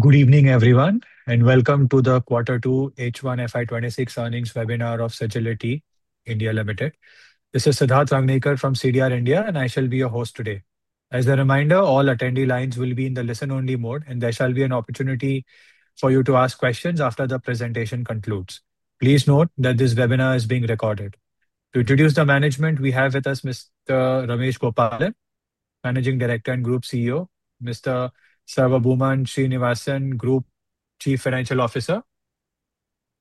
Good evening, everyone, and welcome to the quarter two H1 FY 2026 earnings webinar of Sagility India Limited. This is Siddharth Raghnikar from CDR India, and I shall be your host today. As a reminder, all attendee lines will be in the listen-only mode, and there shall be an opportunity for you to ask questions after the presentation concludes. Please note that this webinar is being recorded. To introduce the management, we have with us Mr. Ramesh Gopalan, Managing Director and Group CEO, and Mr. Sarvabhouman Srinivasan, Group Chief Financial Officer.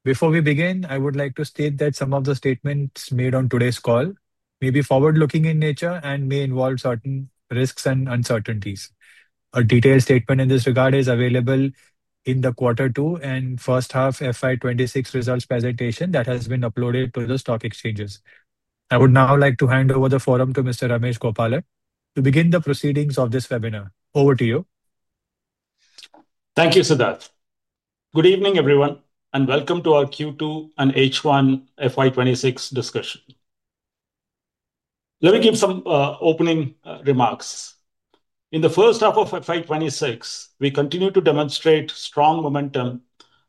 Before we begin, I would like to state that some of the statements made on today's call may be forward-looking in nature and may involve certain risks and uncertainties. A detailed statement in this regard is available in the quarter two and first half FY 2026 results presentation that has been uploaded to the stock exchanges. I would now like to hand over the forum to Mr. Ramesh Gopalan to begin the proceedings of this webinar. Over to you. Thank you, Siddharth. Good evening, everyone, and welcome to our Q2 and H1 FY 2026 discussion. Let me give some opening remarks. In the first half of FY 2026, we continue to demonstrate strong momentum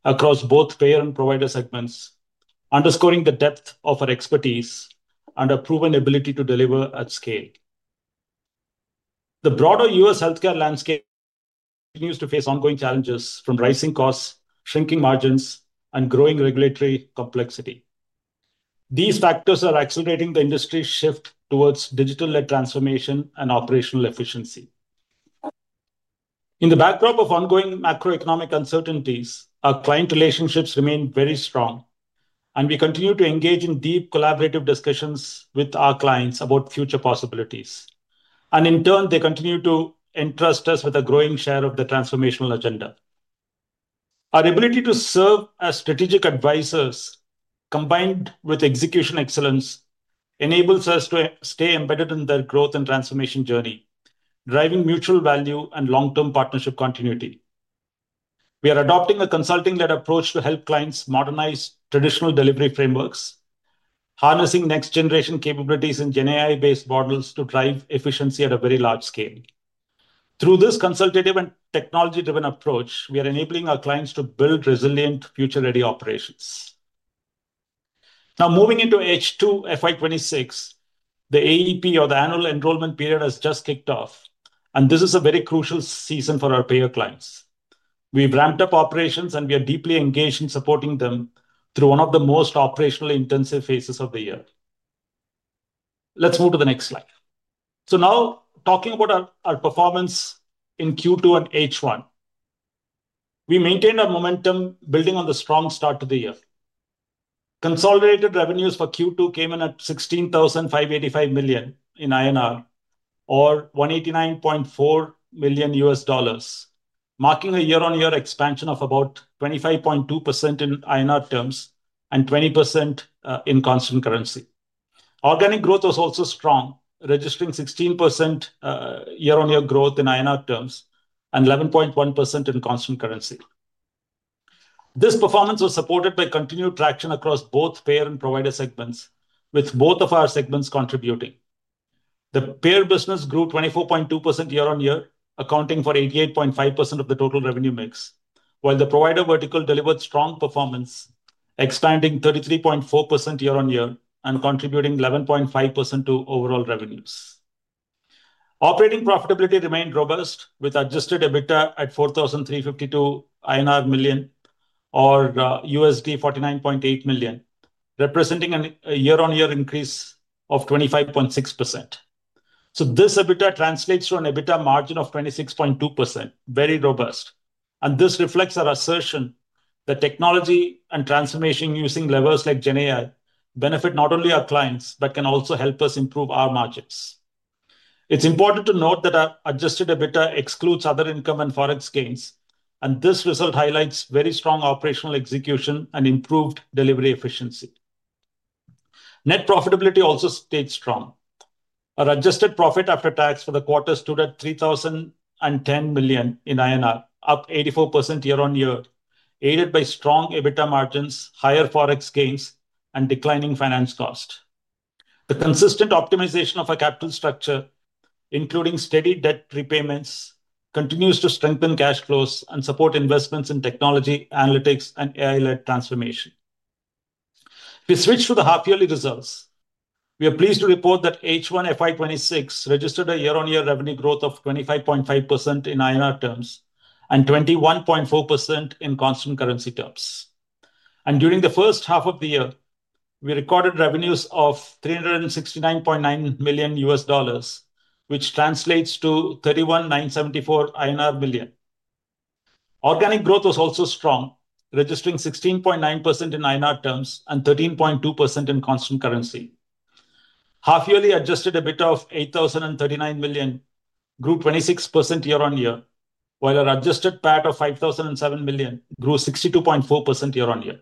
across both payer and provider segments, underscoring the depth of our expertise and our proven ability to deliver at scale. The broader U.S. healthcare landscape continues to face ongoing challenges from rising costs, shrinking margins, and growing regulatory complexity. These factors are accelerating the industry's shift towards digital-led transformation and operational efficiency. In the backdrop of ongoing macroeconomic uncertainties, our client relationships remain very strong, and we continue to engage in deep collaborative discussions with our clients about future possibilities. In turn, they continue to entrust us with a growing share of the transformational agenda. Our ability to serve as strategic advisors, combined with execution excellence, enables us to stay embedded in their growth and transformation journey, driving mutual value and long-term partnership continuity. We are adopting a consulting-led approach to help clients modernize traditional delivery frameworks, harnessing next-generation capabilities in GenAI-based models to drive efficiency at a very large scale. Through this consultative and technology-driven approach, we are enabling our clients to build resilient, future-ready operations. Now, moving into H2 FY 2026, the AEP, or the Annual Enrollment Period, has just kicked off, and this is a very crucial season for our payer clients. We've ramped up operations, and we are deeply engaged in supporting them through one of the most operationally intensive phases of the year. Let's move to the next slide. Now, talking about our performance in Q2 and H1, we maintained our momentum, building on the strong start to the year. Consolidated revenues for Q2 came in at 16,585 million INR, or $189.4 million, marking a year-on-year expansion of about 25.2% in INR terms and 20% in constant currency. Organic growth was also strong, registering 16% year-on-year growth in INR terms and 11.1% in constant currency. This performance was supported by continued traction across both payer and provider segments, with both of our segments contributing. The payer business grew 24.2% year-on-year, accounting for 88.5% of the total revenue mix, while the provider vertical delivered strong performance, expanding 33.4% year-on-year and contributing 11.5% to overall revenues. Operating profitability remained robust, with adjusted EBITDA at 4,352 million INR, or $49.8 million, representing a year-on-year increase of 25.6%. This EBITDA translates to an EBITDA margin of 26.2%, very robust, and this reflects our assertion that technology and transformation using levers like GenAI benefit not only our clients but can also help us improve our margins. It's important to note that our adjusted EBITDA excludes other income and forex gains, and this result highlights very strong operational execution and improved delivery efficiency. Net profitability also stayed strong. Our adjusted profit after tax for the quarter stood at 3,010 million INR, up 84% year-on-year, aided by strong EBITDA margins, higher forex gains, and declining finance costs. The consistent optimization of our capital structure, including steady debt repayments, continues to strengthen cash flows and support investments in technology, analytics, and AI-led transformation. If we switch to the half-yearly results, we are pleased to report that H1 FY 2026 registered a year-on-year revenue growth of 25.5% in INR terms and 21.4% in constant currency terms. During the first half of the year, we recorded revenues of $369.9 million, which translates to 31,974 million INR. Organic growth was also strong, registering 16.9% in INR terms and 13.2% in constant currency. Half-yearly adjusted EBITDA of 8,039 million grew 26% year-on-year, while our adjusted PAT of 5,007 million grew 62.4% year-on-year.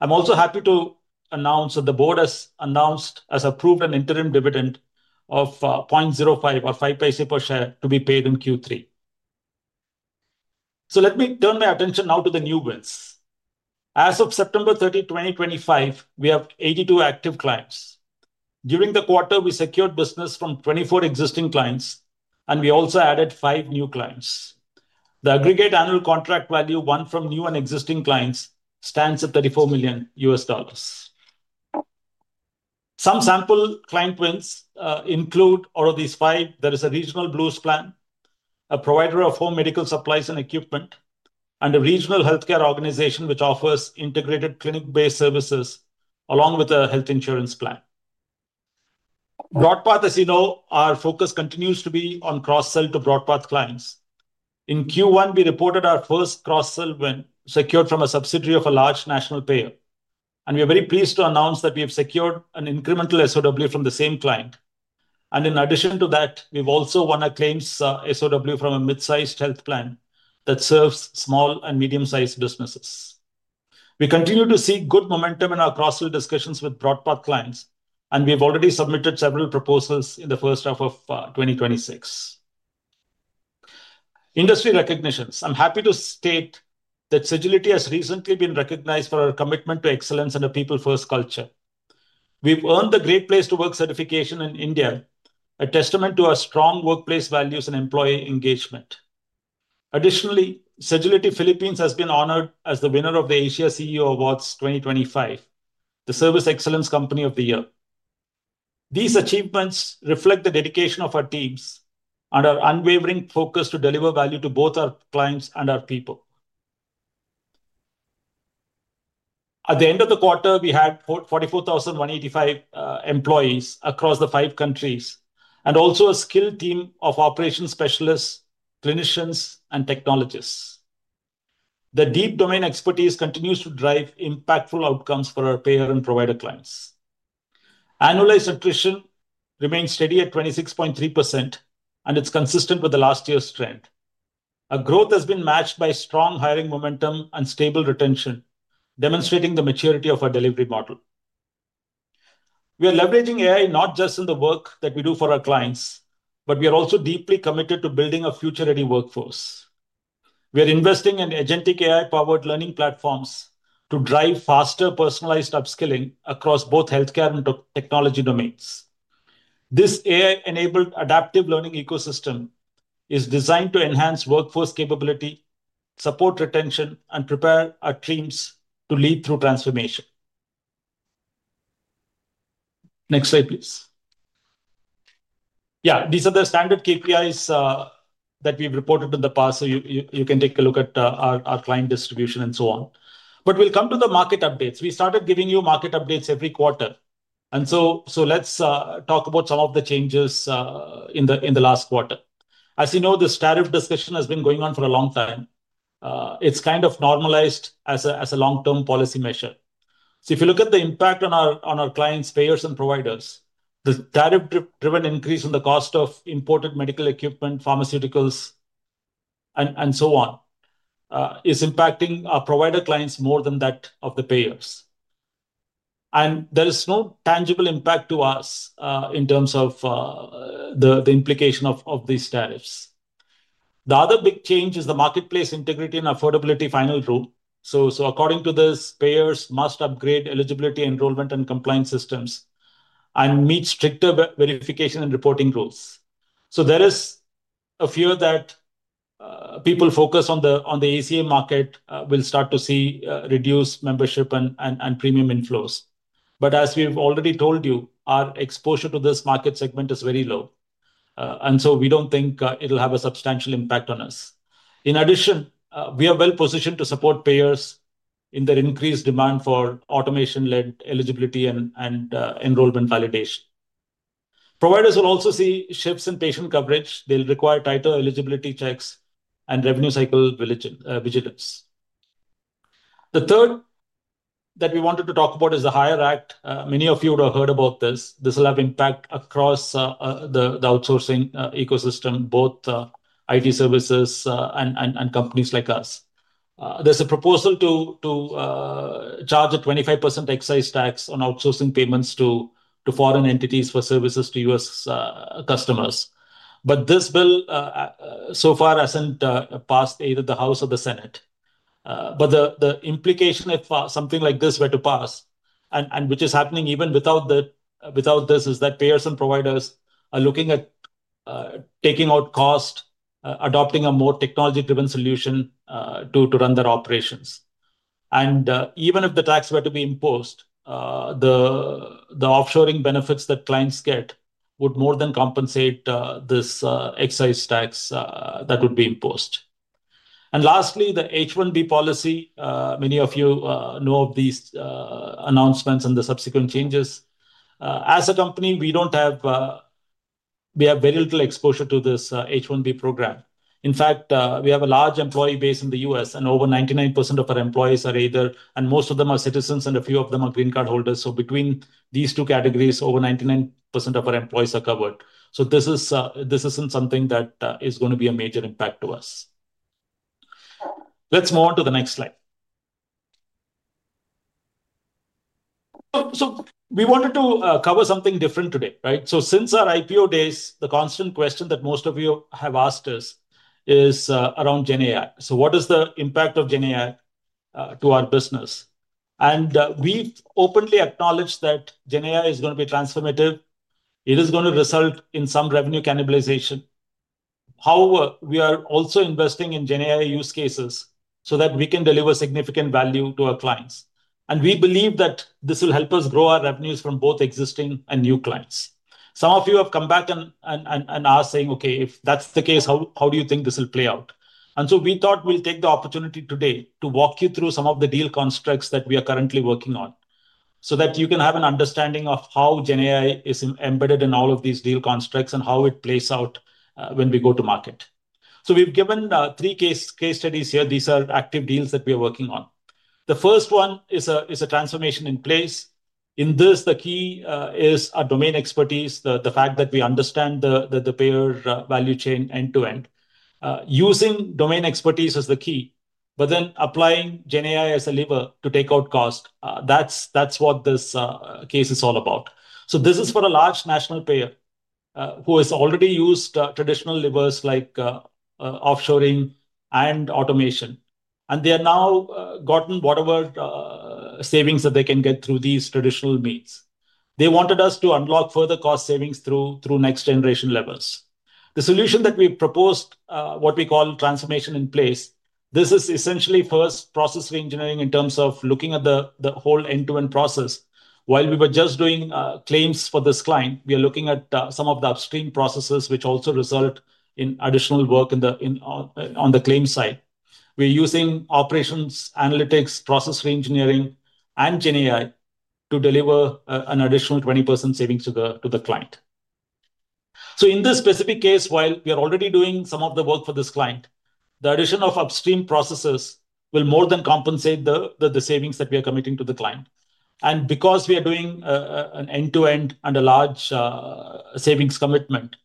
I'm also happy to announce that the board has announced and approved an interim dividend of $0.05, or 5 pesos per share, to be paid in Q3. Let me turn my attention now to the new wins. As of September 30, 2025, we have 82 active clients. During the quarter, we secured business from 24 existing clients, and we also added five new clients. The aggregate annual contract value won from new and existing clients stands at $34 million. Some sample client wins include out of these five, there is a regional Blues plan, a provider of home medical supplies and equipment, and a regional healthcare organization which offers integrated clinic-based services along with a health insurance plan. BroadPath, as you know, our focus continues to be on cross-sell to BroadPath clients. In Q1, we reported our first cross-sell win secured from a subsidiary of a large national payer, and we are very pleased to announce that we have secured an incremental SOW from the same client. In addition to that, we've also won a claims SOW from a mid-sized health plan that serves small and medium-sized businesses. We continue to see good momentum in our cross-sell discussions with BroadPath clients, and we've already submitted several proposals in the first half of 2026. Industry recognitions. I'm happy to state that Sagility has recently been recognized for our commitment to excellence and a people-first culture. We've earned the Great Place to Work certification in India, a testament to our strong workplace values and employee engagement. Additionally, Sagility Philippines has been honored as the winner of the Asia CEO Awards 2025, the Service Excellence Company of the Year. These achievements reflect the dedication of our teams and our unwavering focus to deliver value to both our clients and our people. At the end of the quarter, we had 44,185 employees across the five countries, and also a skilled team of operations specialists, clinicians, and technologists. The deep domain expertise continues to drive impactful outcomes for our payer and provider clients. Annualized attrition remains steady at 26.3%, and it's consistent with last year's trend. Our growth has been matched by strong hiring momentum and stable retention, demonstrating the maturity of our delivery model. We are leveraging AI not just in the work that we do for our clients, but we are also deeply committed to building a future-ready workforce. We are investing in agentic AI-powered learning platforms to drive faster personalized upskilling across both healthcare and technology domains. This AI-enabled adaptive learning ecosystem is designed to enhance workforce capability, support retention, and prepare our teams to lead through transformation. Next slide, please. These are the standard KPIs that we've reported in the past, so you can take a look at our client distribution and so on. We'll come to the market updates. We started giving you market updates every quarter, and let's talk about some of the changes in the last quarter. As you know, this tariff discussion has been going on for a long time. It's kind of normalized as a long-term policy measure. If you look at the impact on our clients, payers, and providers, the tariff-driven increase in the cost of imported medical equipment, pharmaceuticals, and so on is impacting our provider clients more than that of the payers. There is no tangible impact to us in terms of the implication of these tariffs. The other big change is the marketplace integrity and affordability final rule. According to this, payers must upgrade eligibility, enrollment, and compliance systems and meet stricter verification and reporting rules. There is a fear that people focused on the ACM market will start to see reduced membership and premium inflows. As we've already told you, our exposure to this market segment is very low, and we don't think it'll have a substantial impact on us. In addition, we are well positioned to support payers in their increased demand for automation-led eligibility and enrollment validation. Providers will also see shifts in patient coverage. They'll require tighter eligibility checks and revenue cycle vigilance. The third that we wanted to talk about is the HIRE Act. Many of you would have heard about this. This will have impact across the outsourcing ecosystem, both IT services and companies like us. There's a proposal to charge a 25% excise tax on outsourcing payments to foreign entities for services to U.S. customers. This bill so far hasn't passed either the House or the Senate. The implication if something like this were to pass, and which is happening even without this, is that payers and providers are looking at taking out cost, adopting a more technology-driven solution to run their operations. Even if the tax were to be imposed, the offshoring benefits that clients get would more than compensate this excise tax that would be imposed. Lastly, the H1B policy, many of you know of these announcements and the subsequent changes. As a company, we have very little exposure to this H1B program. In fact, we have a large employee base in the U.S., and over 99% of our employees are either, and most of them are citizens, and a few of them are green card holders. Between these two categories, over 99% of our employees are covered. This isn't something that is going to be a major impact to us. Let's move on to the next slide. We wanted to cover something different today, right? Since our IPO days, the constant question that most of you have asked us is around GenAI. What is the impact of GenAI to our business? We've openly acknowledged that GenAI is going to be transformative. It is going to result in some revenue cannibalization. However, we are also investing in GenAI use cases so that we can deliver significant value to our clients. We believe that this will help us grow our revenues from both existing and new clients. Some of you have come back and asked, saying, "Okay, if that's the case, how do you think this will play out?" We thought we would take the opportunity today to walk you through some of the deal constructs that we are currently working on so that you can have an understanding of how GenAI is embedded in all of these deal constructs and how it plays out when we go to market. We've given three case studies here. These are active deals that we are working on. The first one is a transformation in place. In this, the key is our domain expertise, the fact that we understand the payer value chain end-to-end. Using domain expertise is the key, but then applying GenAI as a lever to take out cost, that's what this case is all about. This is for a large national payer who has already used traditional levers like offshoring and automation, and they have now gotten whatever savings that they can get through these traditional means. They wanted us to unlock further cost savings through next-generation levers. The solution that we've proposed, what we call transformation in place, is essentially first process re-engineering in terms of looking at the whole end-to-end process. While we were just doing claims for this client, we are looking at some of the upstream processes which also result in additional work on the claims side. We're using operations, analytics, process re-engineering, and GenAI to deliver an additional 20% savings to the client. In this specific case, while we are already doing some of the work for this client, the addition of upstream processes will more than compensate the savings that we are committing to the client. Because we are doing an end-to-end and a large savings commitment,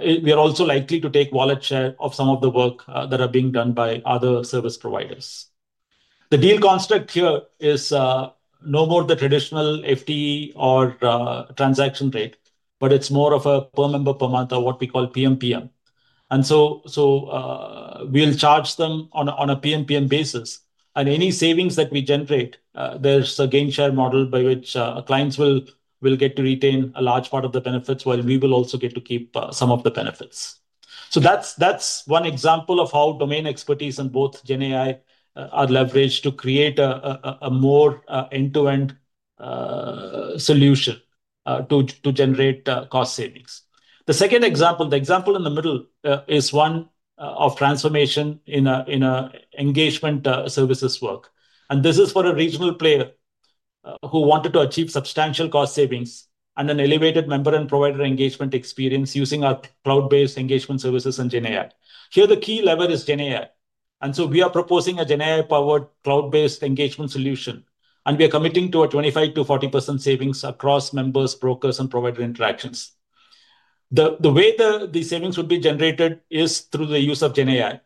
we are also likely to take wallet share of some of the work that is being done by other service providers. The deal construct here is no more the traditional FTE or transaction rate, but it's more of a per member per month or what we call PMPM. We'll charge them on a PMPM basis, and any savings that we generate, there's a gain-share model by which clients will get to retain a large part of the benefits, while we will also get to keep some of the benefits. That's one example of how domain expertise and both GenAI are leveraged to create a more end-to-end solution to generate cost savings. The second example, the example in the middle, is one of transformation in engagement services work. This is for a regional player who wanted to achieve substantial cost savings and an elevated member and provider engagement experience using our cloud-based engagement services and GenAI. Here, the key lever is GenAI. We are proposing a GenAI-powered cloud-based engagement solution, and we are committing to a 25%-40% savings across members, brokers, and provider interactions. The way the savings would be generated is through the use of GenAI,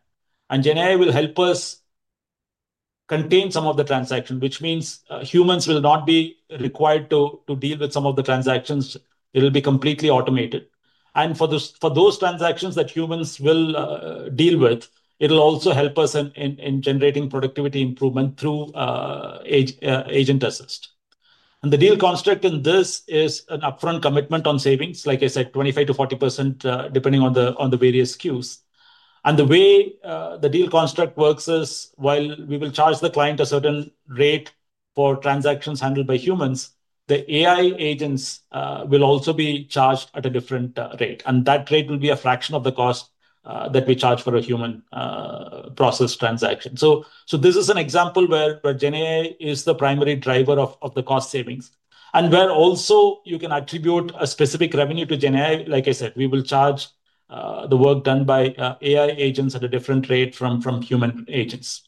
and GenAI will help us contain some of the transactions, which means humans will not be required to deal with some of the transactions. It'll be completely automated. For those transactions that humans will deal with, it'll also help us in generating productivity improvement through agent assist. The deal construct in this is an upfront commitment on savings, like I said, 25%-40% depending on the various cues. The way the deal construct works is while we will charge the client a certain rate for transactions handled by humans, the AI agents will also be charged at a different rate, and that rate will be a fraction of the cost that we charge for a human process transaction. This is an example where GenAI is the primary driver of the cost savings, and where also you can attribute a specific revenue to GenAI. Like I said, we will charge the work done by AI agents at a different rate from human agents.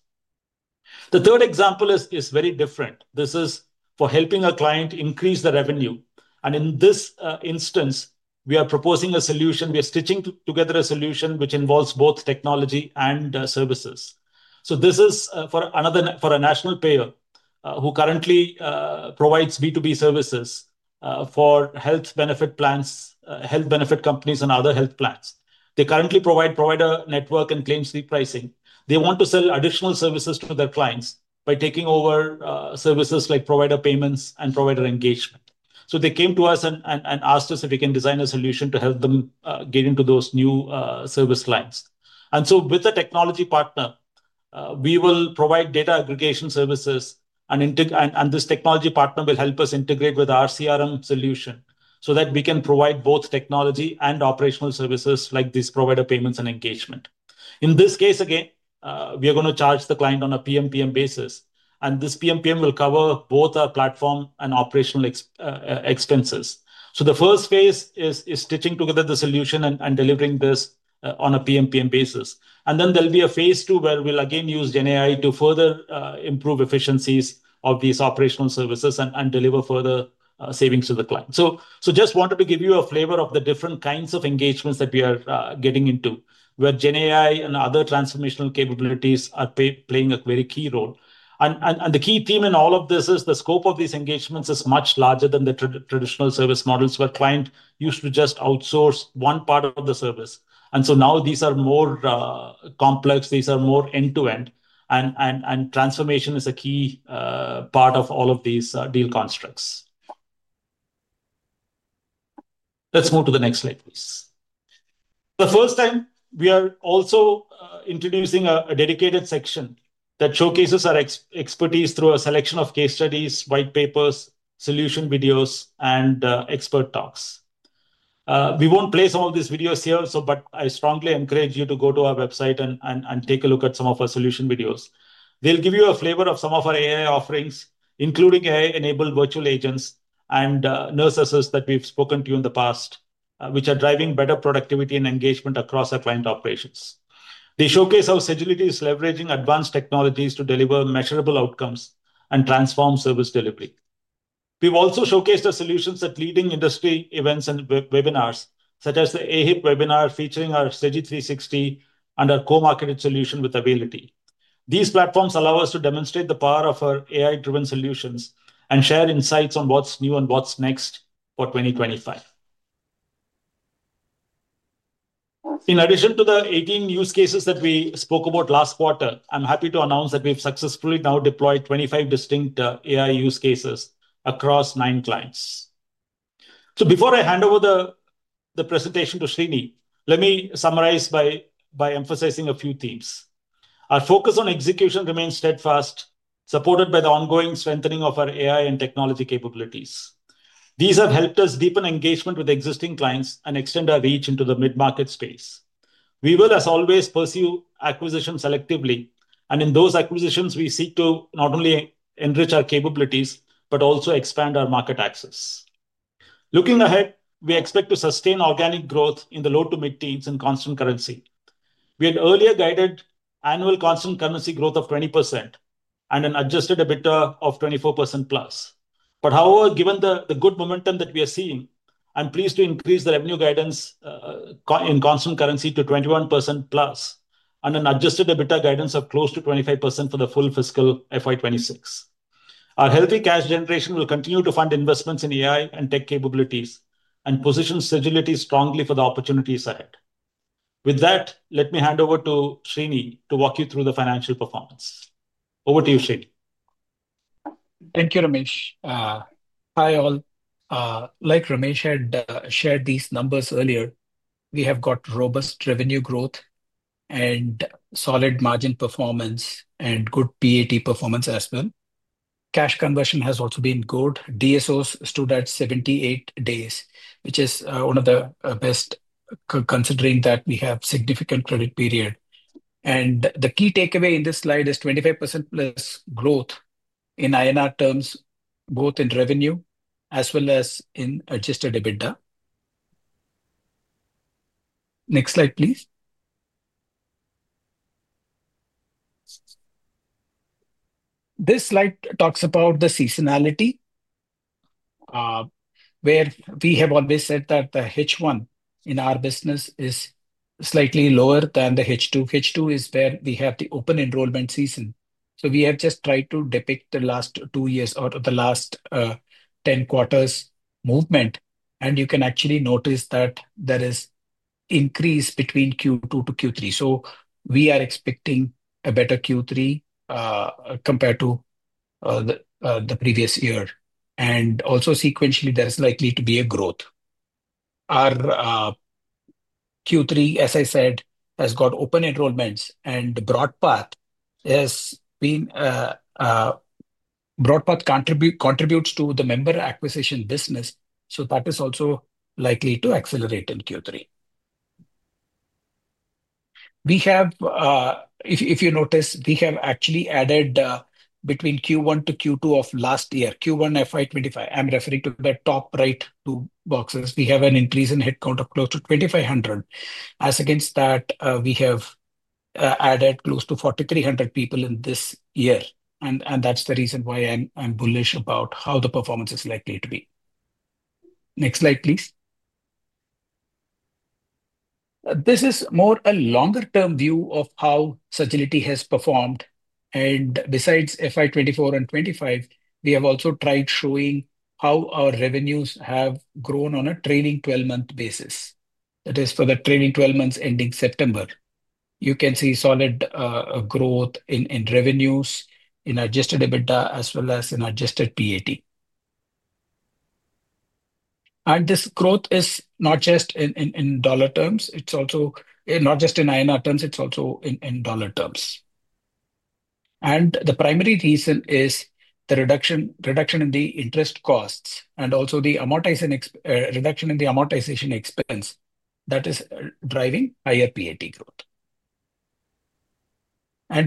The third example is very different. This is for helping a client increase the revenue, and in this instance, we are proposing a solution. We are stitching together a solution which involves both technology and services. This is for a national payer who currently provides B2B services for health benefit plans, health benefit companies, and other health plans. They currently provide provider network and claims repricing. They want to sell additional services to their clients by taking over services like provider payments and provider engagement. They came to us and asked us if we can design a solution to help them get into those new service lines. With a technology partner, we will provide data aggregation services, and this technology partner will help us integrate with our CRM solution so that we can provide both technology and operational services like these provider payments and engagement. In this case, again, we are going to charge the client on a PMPM basis, and this PMPM will cover both our platform and operational expenses. The first phase is stitching together the solution and delivering this on a PMPM basis. There will be a phase II where we'll again use GenAI to further improve efficiencies of these operational services and deliver further savings to the client. I just wanted to give you a flavor of the different kinds of engagements that we are getting into where GenAI and other transformational capabilities are playing a very key role. The key theme in all of this is the scope of these engagements is much larger than the traditional service models where clients used to just outsource one part of the service. Now these are more complex, these are more end-to-end, and transformation is a key part of all of these deal constructs. Let's move to the next slide, please. For the first time, we are also introducing a dedicated section that showcases our expertise through a selection of case studies, white papers, solution videos, and expert talks. We won't play some of these videos here, but I strongly encourage you to go to our website and take a look at some of our solution videos. They'll give you a flavor of some of our AI offerings, including AI-enabled virtual agents and nurse assist that we've spoken to you in the past, which are driving better productivity and engagement across our client operations. They showcase how Sagility is leveraging advanced technologies to deliver measurable outcomes and transform service delivery. We've also showcased our solutions at leading industry events and webinars, such as the AHIP webinar featuring our Sage 360 and our co-marketed solution with Ability. These platforms allow us to demonstrate the power of our AI-driven solutions and share insights on what's new and what's next for 2025. In addition to the 18 use cases that we spoke about last quarter, I'm happy to announce that we've successfully now deployed 25 distinct AI use cases across nine clients. Before I hand over the presentation to Srini, let me summarize by emphasizing a few themes. Our focus on execution remains steadfast, supported by the ongoing strengthening of our AI and technology capabilities. These have helped us deepen engagement with existing clients and extend our reach into the mid-market space. We will, as always, pursue acquisitions selectively, and in those acquisitions, we seek to not only enrich our capabilities but also expand our market access. Looking ahead, we expect to sustain organic growth in the low to mid teens in constant currency. We had earlier guided annual constant currency growth of 20% and an adjusted EBITDA of 24%+. However, given the good momentum that we are seeing, I'm pleased to increase the revenue guidance in constant currency to 21%+ and an adjusted EBITDA guidance of close to 25% for the full fiscal FY 2026. Our healthy cash generation will continue to fund investments in AI and tech capabilities and position Sagility strongly for the opportunities ahead. With that, let me hand over to Srini to walk you through the financial performance. Over to you, Srini. Thank you, Ramesh. Hi all. Like Ramesh had shared these numbers earlier, we have got robust revenue growth and solid margin performance and good PAT performance as well. Cash conversion has also been good. DSOs stood at 78 days, which is one of the best considering that we have a significant credit period. The key takeaway in this slide is 25%+ growth in INR terms, both in revenue as well as in adjusted EBITDA. Next slide, please. This slide talks about the seasonality where we have always said that the H1 in our business is slightly lower than the H2. H2 is where we have the open enrollment season. We have just tried to depict the last two years or the last 10 quarters movement, and you can actually notice that there is an increase between Q2 to Q3. We are expecting a better Q3 compared to the previous year. Also, sequentially, there is likely to be a growth. Our Q3, as I said, has got open enrollments, and BroadPath contributes to the member acquisition business. That is also likely to accelerate in Q3. If you notice, we have actually added between Q1 to Q2 of last year, Q1 FY 2025, I'm referring to the top right two boxes, we have an increase in headcount of close to 2,500. As against that, we have added close to 4,300 people in this year, and that's the reason why I'm bullish about how the performance is likely to be. Next slide, please. This is more a longer-term view of how Sagility has performed. Besides FY 2024 and FY 2025, we have also tried showing how our revenues have grown on a trailing 12-month basis. That is for the trailing 12 months ending September. You can see solid growth in revenues, in adjusted EBITDA, as well as in adjusted PAT. This growth is not just in INR terms, it's also in dollar terms. The primary reason is the reduction in the interest costs and also the reduction in the amortization expense that is driving higher PAT growth.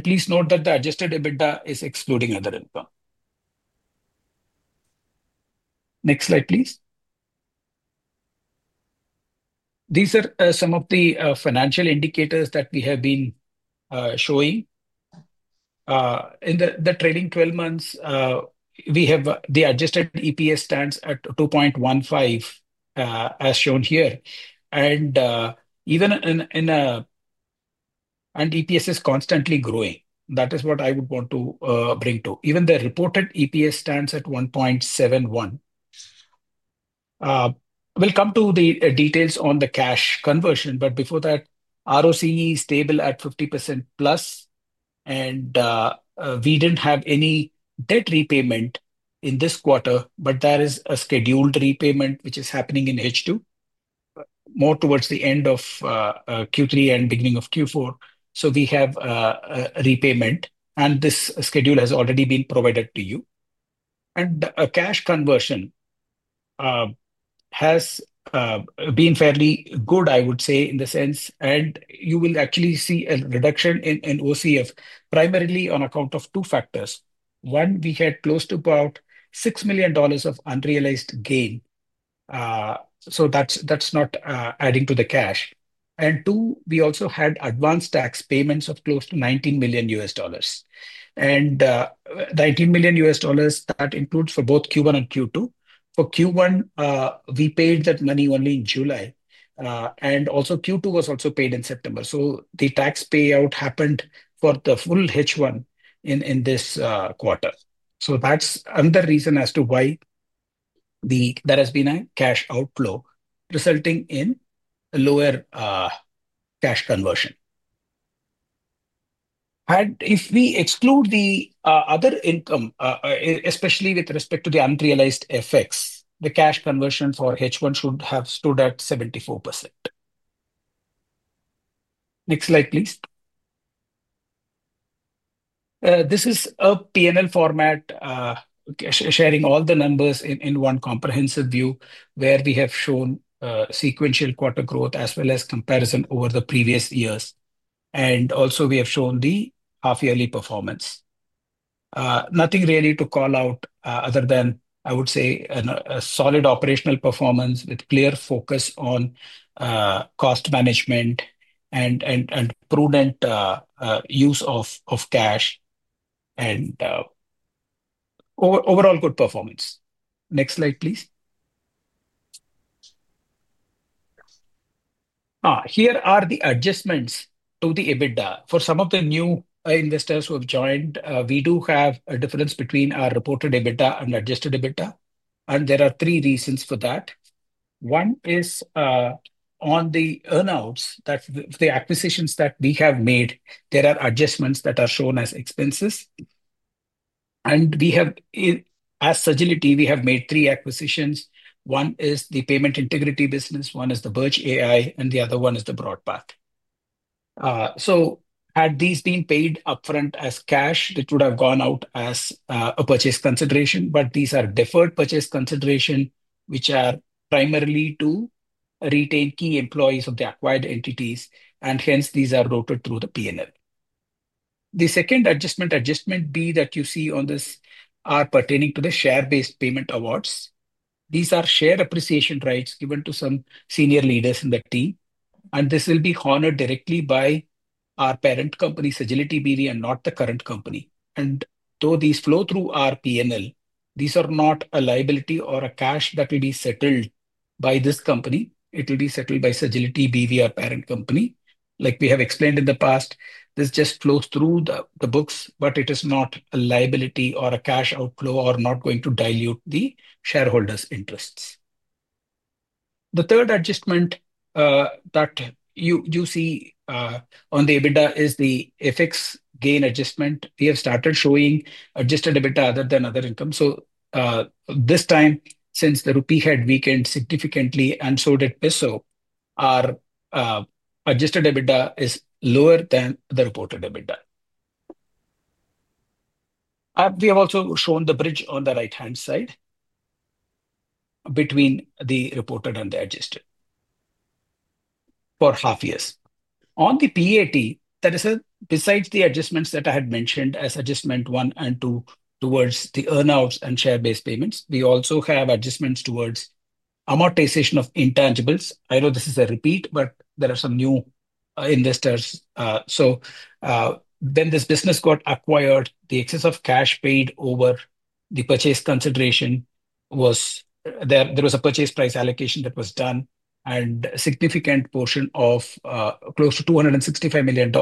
Please note that the adjusted EBITDA is excluding other income. Next slide, please. These are some of the financial indicators that we have been showing. In the trailing 12 months, the adjusted EPS stands at 2.15, as shown here. EPS is constantly growing. That is what I would want to bring to. Even the reported EPS stands at 1.71. We'll come to the details on the cash conversion, but before that, ROCE is stable at 50%+, and we didn't have any debt repayment in this quarter, but there is a scheduled repayment which is happening in H2 more towards the end of Q3 and beginning of Q4. We have a repayment, and this schedule has already been provided to you. Cash conversion has been fairly good, I would say, in the sense, and you will actually see a reduction in OCF primarily on account of two factors. One, we had close to about $6 million of unrealized gain. That's not adding to the cash. Two, we also had advance tax payments of close to $19 million. $19 million, that includes for both Q1 and Q2. For Q1, we paid that money only in July, and also Q2 was also paid in September. The tax payout happened for the full H1 in this quarter. That's another reason as to why there has been a cash outflow resulting in a lower cash conversion. If we exclude the other income, especially with respect to the unrealized effects, the cash conversion for H1 should have stood at 74%. Next slide, please. This is a P&L format sharing all the numbers in one comprehensive view where we have shown sequential quarter growth as well as comparison over the previous years. We have also shown the half-yearly performance. Nothing really to call out other than, I would say, a solid operational performance with clear focus on cost management and prudent use of cash and overall good performance. Next slide, please. Here are the adjustments to the EBITDA. For some of the new investors who have joined, we do have a difference between our reported EBITDA and adjusted EBITDA, and there are three reasons for that. One is on the earnouts, that's the acquisitions that we have made. There are adjustments that are shown as expenses. We have, as Sagility, made three acquisitions. One is the payment integrity business, one is BirchAI, and the other one is BroadPath. Had these been paid upfront as cash, it would have gone out as a purchase consideration, but these are deferred purchase considerations which are primarily to retain key employees of the acquired entities, and hence these are rotated through the P&L. The second adjustment, adjustment B that you see on this, are pertaining to the share-based payment awards. These are share appreciation rights given to some senior leaders in the team, and this will be honored directly by our parent company, Sagility B.V., and not the current company. Though these flow through our P&L, these are not a liability or a cash that will be settled by this company. It will be settled by Sagility B.V., our parent company. Like we have explained in the past, this just flows through the books, but it is not a liability or a cash outflow or not going to dilute the shareholders' interests. The third adjustment that you see on the EBITDA is the FX gain adjustment. We have started showing adjusted EBITDA other than other income. This time, since the rupee had weakened significantly and so did peso, our adjusted EBITDA is lower than the reported EBITDA. We have also shown the bridge on the right-hand side between the reported and the adjusted for half years. On the PAT, besides the adjustments that I had mentioned as adjustment one and two towards the earnouts and share-based payments, we also have adjustments towards amortization of intangibles. I know this is a repeat, but there are some new investors. When this business got acquired, the excess of cash paid over the purchase consideration was there. There was a purchase price allocation that was done, and a significant portion of close to $265 million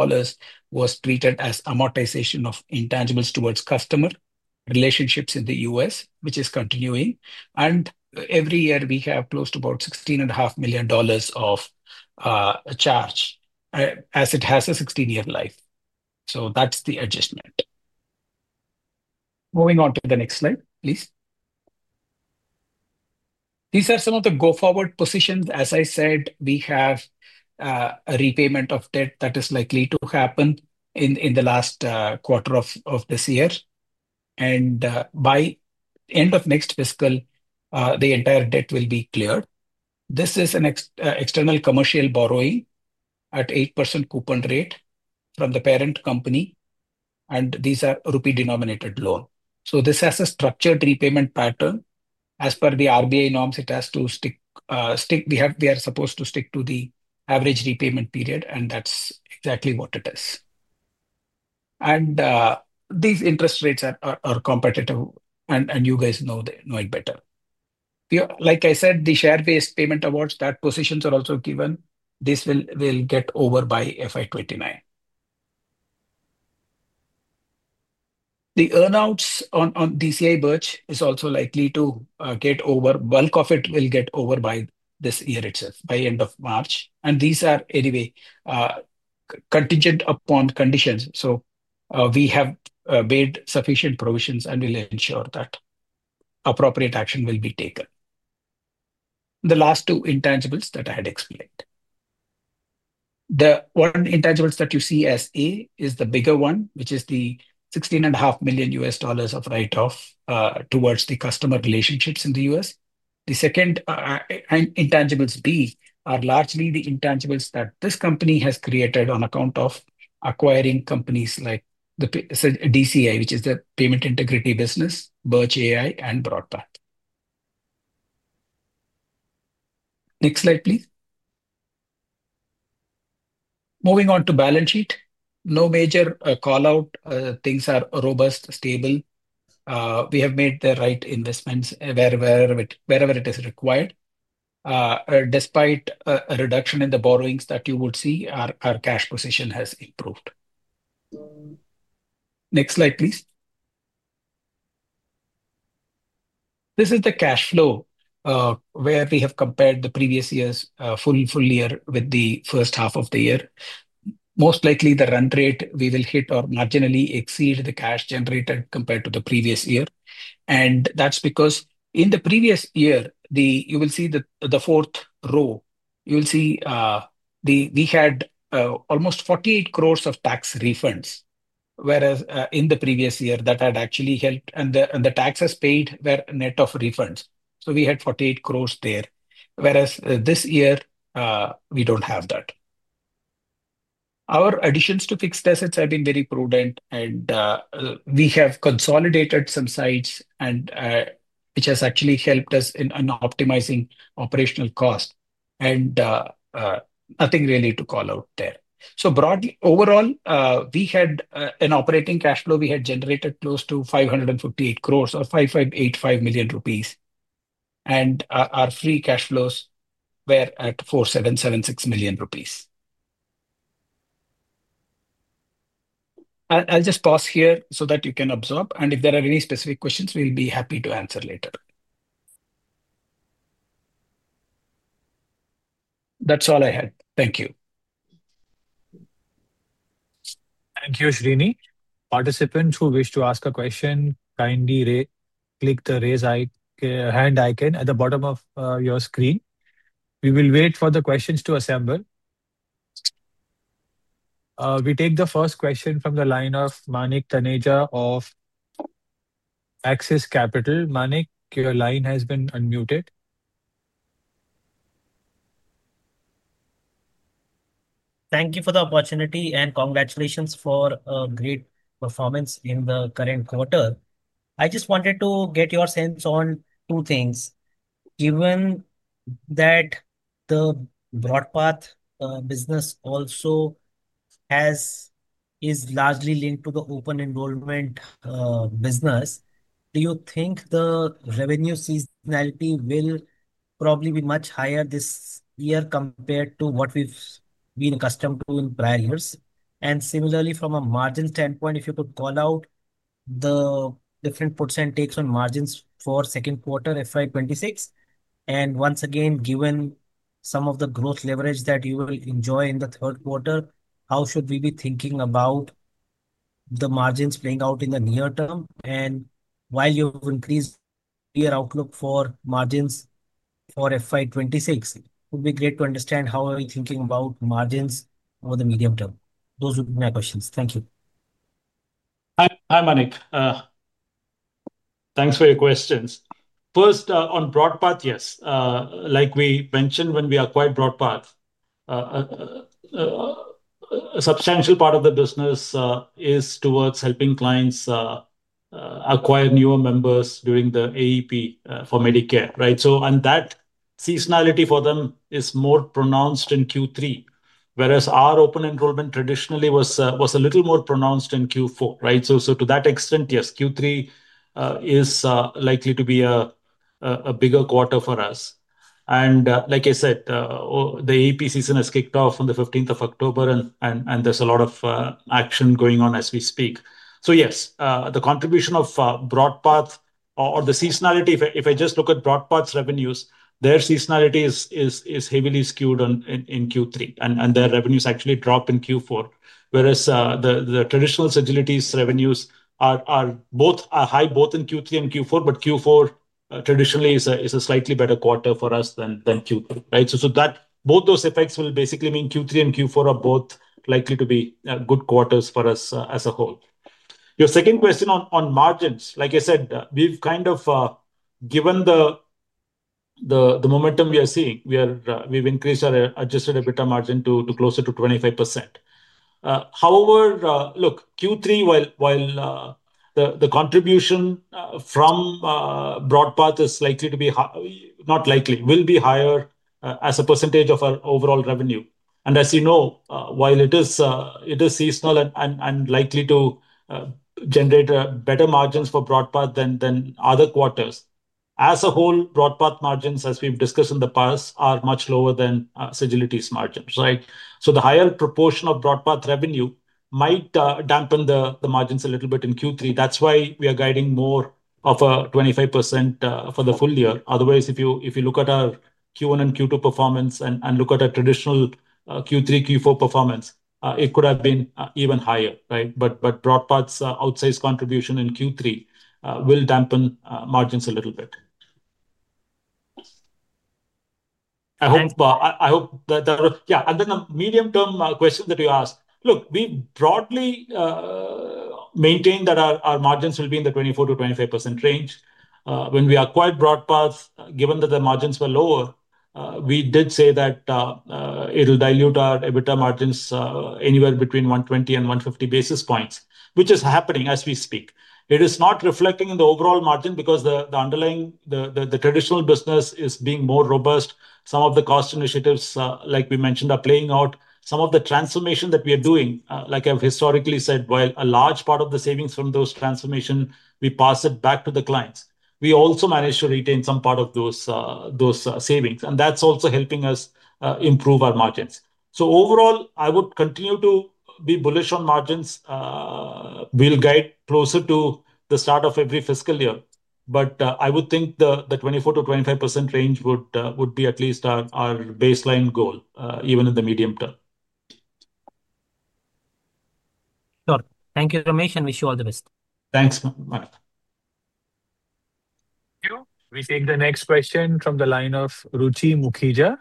was treated as amortization of intangibles towards customer relationships in the U.S., which is continuing. Every year, we have close to about $16.5 million of a charge as it has a 16-year life. That's the adjustment. Moving on to the next slide, please. These are some of the go-forward positions. As I said, we have a repayment of debt that is likely to happen in the last quarter of this year. By the end of next fiscal, the entire debt will be cleared. This is an external commercial borrowing at 8% coupon rate from the parent company, and these are rupee-denominated loans. This has a structured repayment pattern. As per the RBI norms, we are supposed to stick to the average repayment period, and that's exactly what it is. These interest rates are competitive, and you guys know it better. Like I said, the share-based payment awards that positions are also given, this will get over by FY 2029. The earnouts on DCI Birch is also likely to get over. The bulk of it will get over by this year itself, by the end of March. These are anyway contingent upon conditions. We have made sufficient provisions and will ensure that appropriate action will be taken. The last two intangibles that I had explained. The one intangible that you see as A is the bigger one, which is the $16.5 million of write-off towards the customer relationships in the U.S. The second intangibles B are largely the intangibles that this company has created on account of acquiring companies like the DCI, which is the payment integrity business, BirchAI, and BroadPath. Next slide, please. Moving on to balance sheet. No major callout. Things are robust, stable. We have made the right investments wherever it is required. Despite a reduction in the borrowings that you would see, our cash position has improved. Next slide, please. This is the cash flow where we have compared the previous year's full year with the first half of the year. Most likely, the run rate we will hit or marginally exceed the cash generated compared to the previous year. That's because in the previous year, you will see the fourth row. You will see we had almost 48 crore of tax refunds, whereas in the previous year that had actually helped, and the taxes paid were a net of refunds. We had 48 crore there, whereas this year we don't have that. Our additions to fixed assets have been very prudent, and we have consolidated some sites, which has actually helped us in optimizing operational cost. Nothing really to call out there. Broadly, overall, we had an operating cash flow we had generated close to 558 crore or 5,585 million rupees, and our free cash flows were at 4,776 million rupees. I'll just pause here so that you can absorb, and if there are any specific questions, we'll be happy to answer later. That's all I had. Thank you. Thank you, Srini. Participants who wish to ask a question, kindly click the raise hand icon at the bottom of your screen. We will wait for the questions to assemble. We take the first question from the line of Manik Taneja of Axis Capital. Manik, your line has been unmuted. Thank you for the opportunity and congratulations for a great performance in the current quarter. I just wanted to get your sense on two things. Given that the BroadPath business also is largely linked to the open enrollment business, do you think the revenue seasonality will probably be much higher this year compared to what we've been accustomed to in prior years? Similarly, from a margin standpoint, if you could call out the different puts and takes on margins for second quarter FY 2026. Once again, given some of the growth leverage that you will enjoy in the third quarter, how should we be thinking about the margins playing out in the near term? While you've increased your outlook for margins for FY 2026, it would be great to understand how are we thinking about margins over the medium term. Those would be my questions. Thank you. Hi, Manik. Thanks for your questions. First, on BroadPath, yes. Like we mentioned, when we acquired BroadPath, a substantial part of the business is towards helping clients acquire newer members during the AEP for Medicare, right? That seasonality for them is more pronounced in Q3, whereas our open enrollment traditionally was a little more pronounced in Q4, right? To that extent, yes, Q3 is likely to be a bigger quarter for us. Like I said, the AEP season has kicked off on the 15th of October, and there's a lot of action going on as we speak. Yes, the contribution of BroadPath or the seasonality, if I just look at BroadPath's revenues, their seasonality is heavily skewed in Q3, and their revenues actually drop in Q4, whereas the traditional Sagility revenues are high both in Q3 and Q4, but Q4 traditionally is a slightly better quarter for us than Q3, right? Both those effects will basically mean Q3 and Q4 are both likely to be good quarters for us as a whole. Your second question on margins, like I said, we've kind of given the momentum we are seeing. We've increased our adjusted EBITDA margin to closer to 25%. However, Q3, while the contribution from BroadPath is likely to be, not likely, will be higher as a percentage of our overall revenue. As you know, while it is seasonal and likely to generate better margins for BroadPath than other quarters, as a whole, BroadPath margins, as we've discussed in the past, are much lower than Sagility's margins, right? The higher proportion of BroadPath revenue might dampen the margins a little bit in Q3. That's why we are guiding more of a 25% for the full year. Otherwise, if you look at our Q1 and Q2 performance and look at our traditional Q3, Q4 performance, it could have been even higher, right? BroadPath's outsized contribution in Q3 will dampen margins a little bit. I hope that, yeah, and then the medium-term question that you asked, we broadly maintain that our margins will be in the 24%-25% range. When we acquired BroadPath, given that the margins were lower, we did say that it'll dilute our EBITDA margins anywhere between 120 basis points-150 basis points, which is happening as we speak. It is not reflecting in the overall margin because the underlying, the traditional business is being more robust. Some of the cost initiatives, like we mentioned, are playing out. Some of the transformation that we are doing, like I've historically said, while a large part of the savings from those transformations, we pass it back to the clients. We also manage to retain some part of those savings, and that's also helping us improve our margins. Overall, I would continue to be bullish on margins. We'll guide closer to the start of every fiscal year, but I would think the 24%-25% range would be at least our baseline goal, even in the medium term. Sure. Thank you, Ramesh, and wish you all the best. Thanks, Manik. We take the next question from the line of Ruchi Mukhija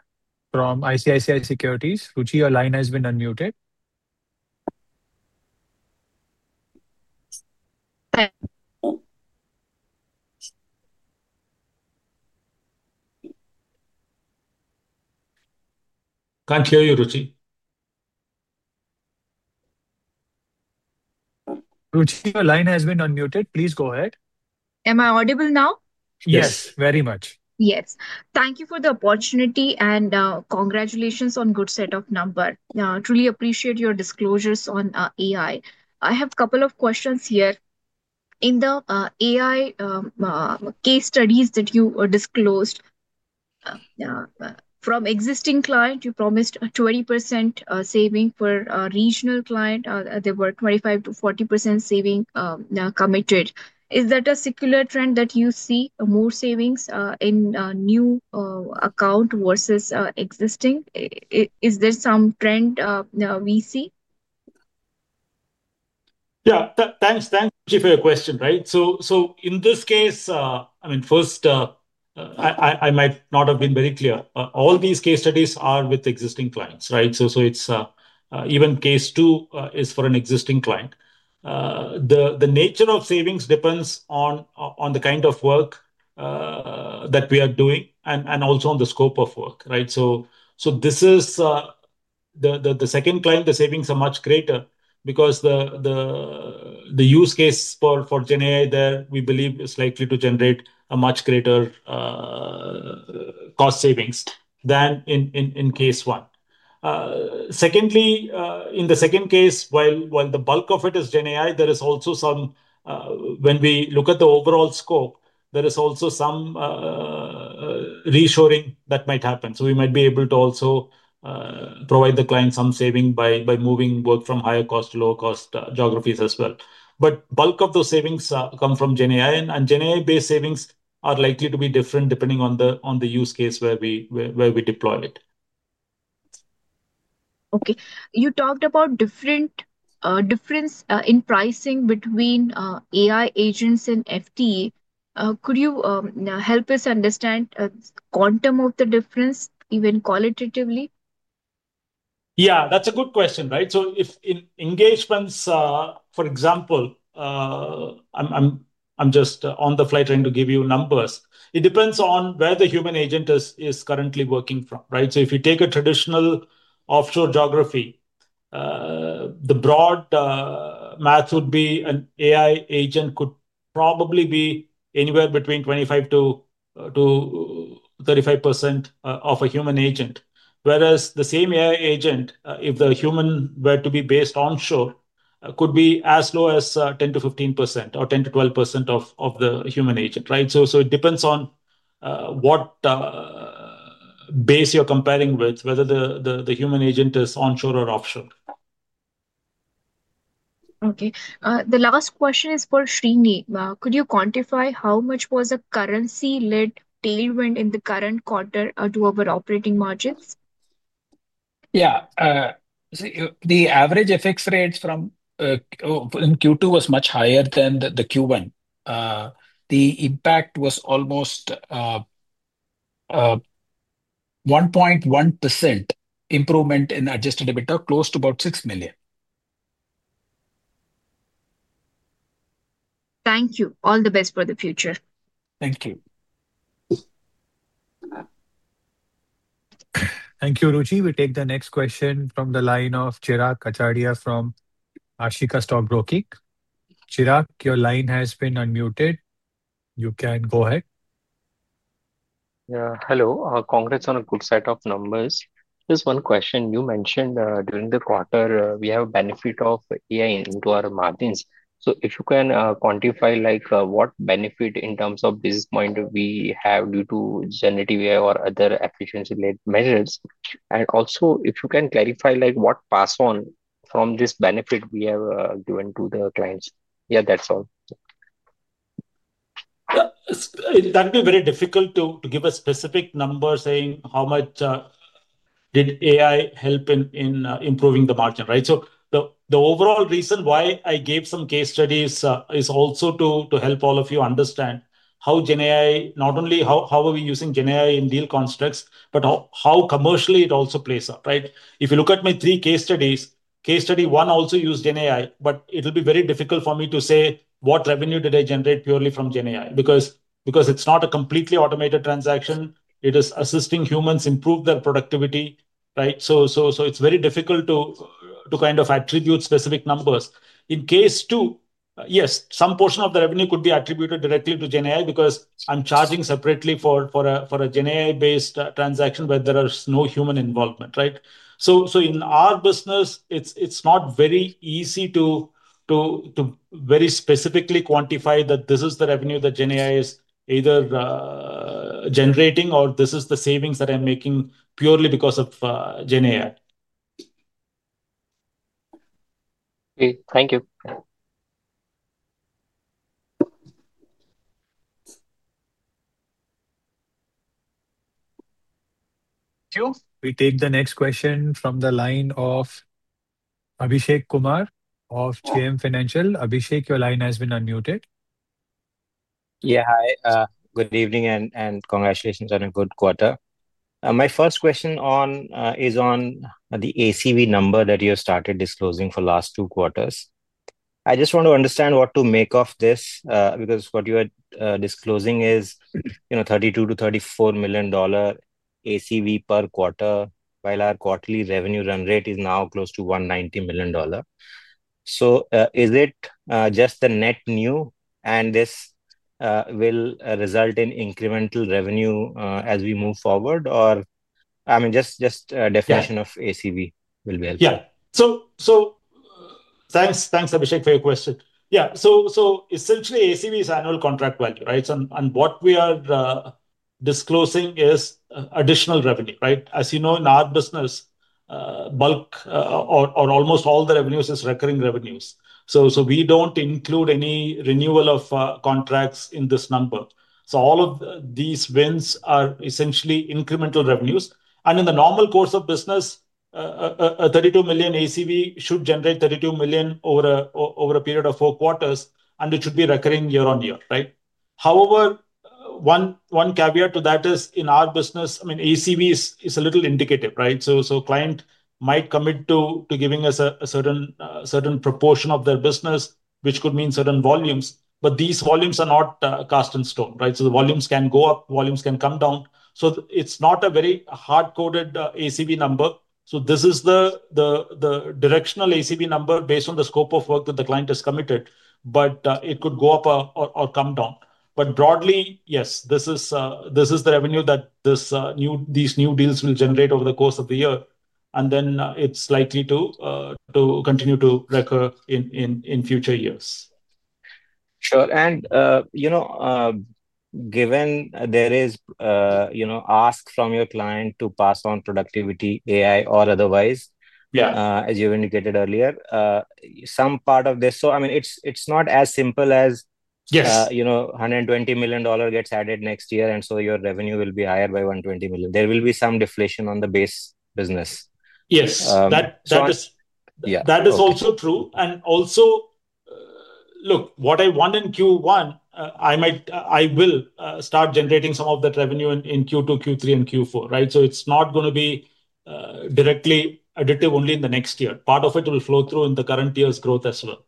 from ICICI Securities. Ruchi, your line has been unmuted. Can't hear you, Ruchi. Ruchi, your line has been unmuted. Please go ahead. Am I audible now? Yes, very much. Yes. Thank you for the opportunity and congratulations on a good set of numbers. Truly appreciate your disclosures on AI. I have a couple of questions here. In the AI case studies that you disclosed from an existing client, you promised a 20% saving for a regional client. There were 25%-40% saving committed. Is that a circular trend that you see, more savings in new accounts versus existing? Is there some trend we see? Yeah, thanks for your question, right? In this case, I mean, first, I might not have been very clear. All these case studies are with existing clients, right? It's even case two is for an existing client. The nature of savings depends on the kind of work that we are doing and also on the scope of work, right? This is the second client. The savings are much greater because the use case for GenAI there, we believe, is likely to generate a much greater cost savings than in case one. Secondly, in the second case, while the bulk of it is GenAI, there is also some, when we look at the overall scope, there is also some reshoring that might happen. We might be able to also provide the client some saving by moving work from higher cost to lower cost geographies as well. The bulk of those savings come from GenAI, and GenAI-based savings are likely to be different depending on the use case where we deploy it. Okay. You talked about a difference in pricing between AI agents and FTE. Could you help us understand the quantum of the difference, even qualitatively? Yeah, that's a good question, right? If in engagements, for example, I'm just on the fly trying to give you numbers, it depends on where the human agent is currently working from, right? If you take a traditional offshore geography, the broad math would be an AI agent could probably be anywhere between 25%-35% of a human agent, whereas the same AI agent, if the human were to be based onshore, could be as low as 10%-15% or 10%-12% of the human agent, right? It depends on what base you're comparing with, whether the human agent is onshore or offshore. Okay. The last question is for Srini. Could you quantify how much was the currency-led tailwind in the current quarter to our operating margins? Yeah. The average FX rate in Q2 was much higher than Q1. The impact was almost 1.1% improvement in adjusted EBITDA, close to about $6 million. Thank you. All the best for the future. Thank you. Thank you, Ruchi. We take the next question from the line of Chirag Kachhadiya from Ashika Stock Broking. Chirag, your line has been unmuted. You can go ahead. Yeah. Hello. Congrats on a good set of numbers. Just one question. You mentioned during the quarter we have a benefit of AI into our margins. If you can quantify what benefit in terms of basis points we have due to GenAI or other efficiency-led measures, and also if you can clarify what pass-on from this benefit we have given to the clients. Yeah, that's all. That would be very difficult to give a specific number saying how much did AI help in improving the margin, right? The overall reason why I gave some case studies is also to help all of you understand how GenAI, not only how are we using GenAI in deal constructs, but how commercially it also plays out, right? If you look at my three case studies, case study one also used GenAI, but it'll be very difficult for me to say what revenue did I generate purely from GenAI because it's not a completely automated transaction. It is assisting humans improve their productivity, right? It's very difficult to kind of attribute specific numbers. In case two, yes, some portion of the revenue could be attributed directly to GenAI because I'm charging separately for a GenAI-based transaction where there is no human involvement, right? In our business, it's not very easy to very specifically quantify that this is the revenue that GenAI is either generating or this is the savings that I'm making purely because of GenAI. Okay. Thank you. We take the next question from the line of Abhishek Kumar of JM Financial. Abhishek, your line has been unmuted. Hi. Good evening and congratulations on a good quarter. My first question is on the ACV number that you have started disclosing for the last two quarters. I just want to understand what to make of this because what you are disclosing is $32 million-$34 million ACV per quarter, while our quarterly revenue run rate is now close to $190 million. Is it just the net new and this will result in incremental revenue as we move forward, or, I mean, just a definition of ACV will be helpful. Yeah. Thanks, Abhishek, for your question. Yeah. Essentially, ACV is annual contract value, right? What we are disclosing is additional revenue, right? As you know, in our business, bulk or almost all the revenues is recurring revenues. We don't include any renewal of contracts in this number. All of these wins are essentially incremental revenues. In the normal course of business, a $32 million ACV should generate $32 million over a period of four quarters, and it should be recurring year-on-year, right? However, one caveat to that is in our business, ACV is a little indicative, right? Clients might commit to giving us a certain proportion of their business, which could mean certain volumes, but these volumes are not cast in stone, right? The volumes can go up, volumes can come down. It's not a very hard-coded ACV number. This is the directional ACV number based on the scope of work that the client has committed, but it could go up or come down. Broadly, yes, this is the revenue that these new deals will generate over the course of the year, and then it's likely to continue to recur in future years. Sure. Given there is ask from your client to pass on productivity, AI, or otherwise, as you've indicated earlier, some part of this, it's not as simple as $120 million gets added next year, and your revenue will be higher by $120 million. There will be some deflation on the base business. That is also true. What I want in Q1, I might, I will start generating some of that revenue in Q2, Q3, and Q4, right? It is not going to be directly additive only in the next year. Part of it will flow through in the current year's growth as well.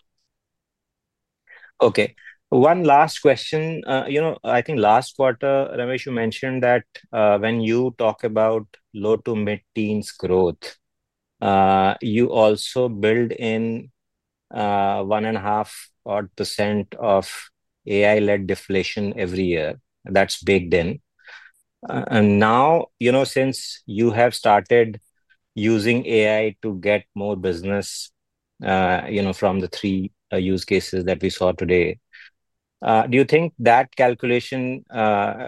Okay. One last question. I think last quarter, Ramesh, you mentioned that when you talk about low to mid-teens growth, you also build in 1.5% odd of AI-led deflation every year. That's baked in. Now, since you have started using AI to get more business from the three use cases that we saw today, do you think that calculation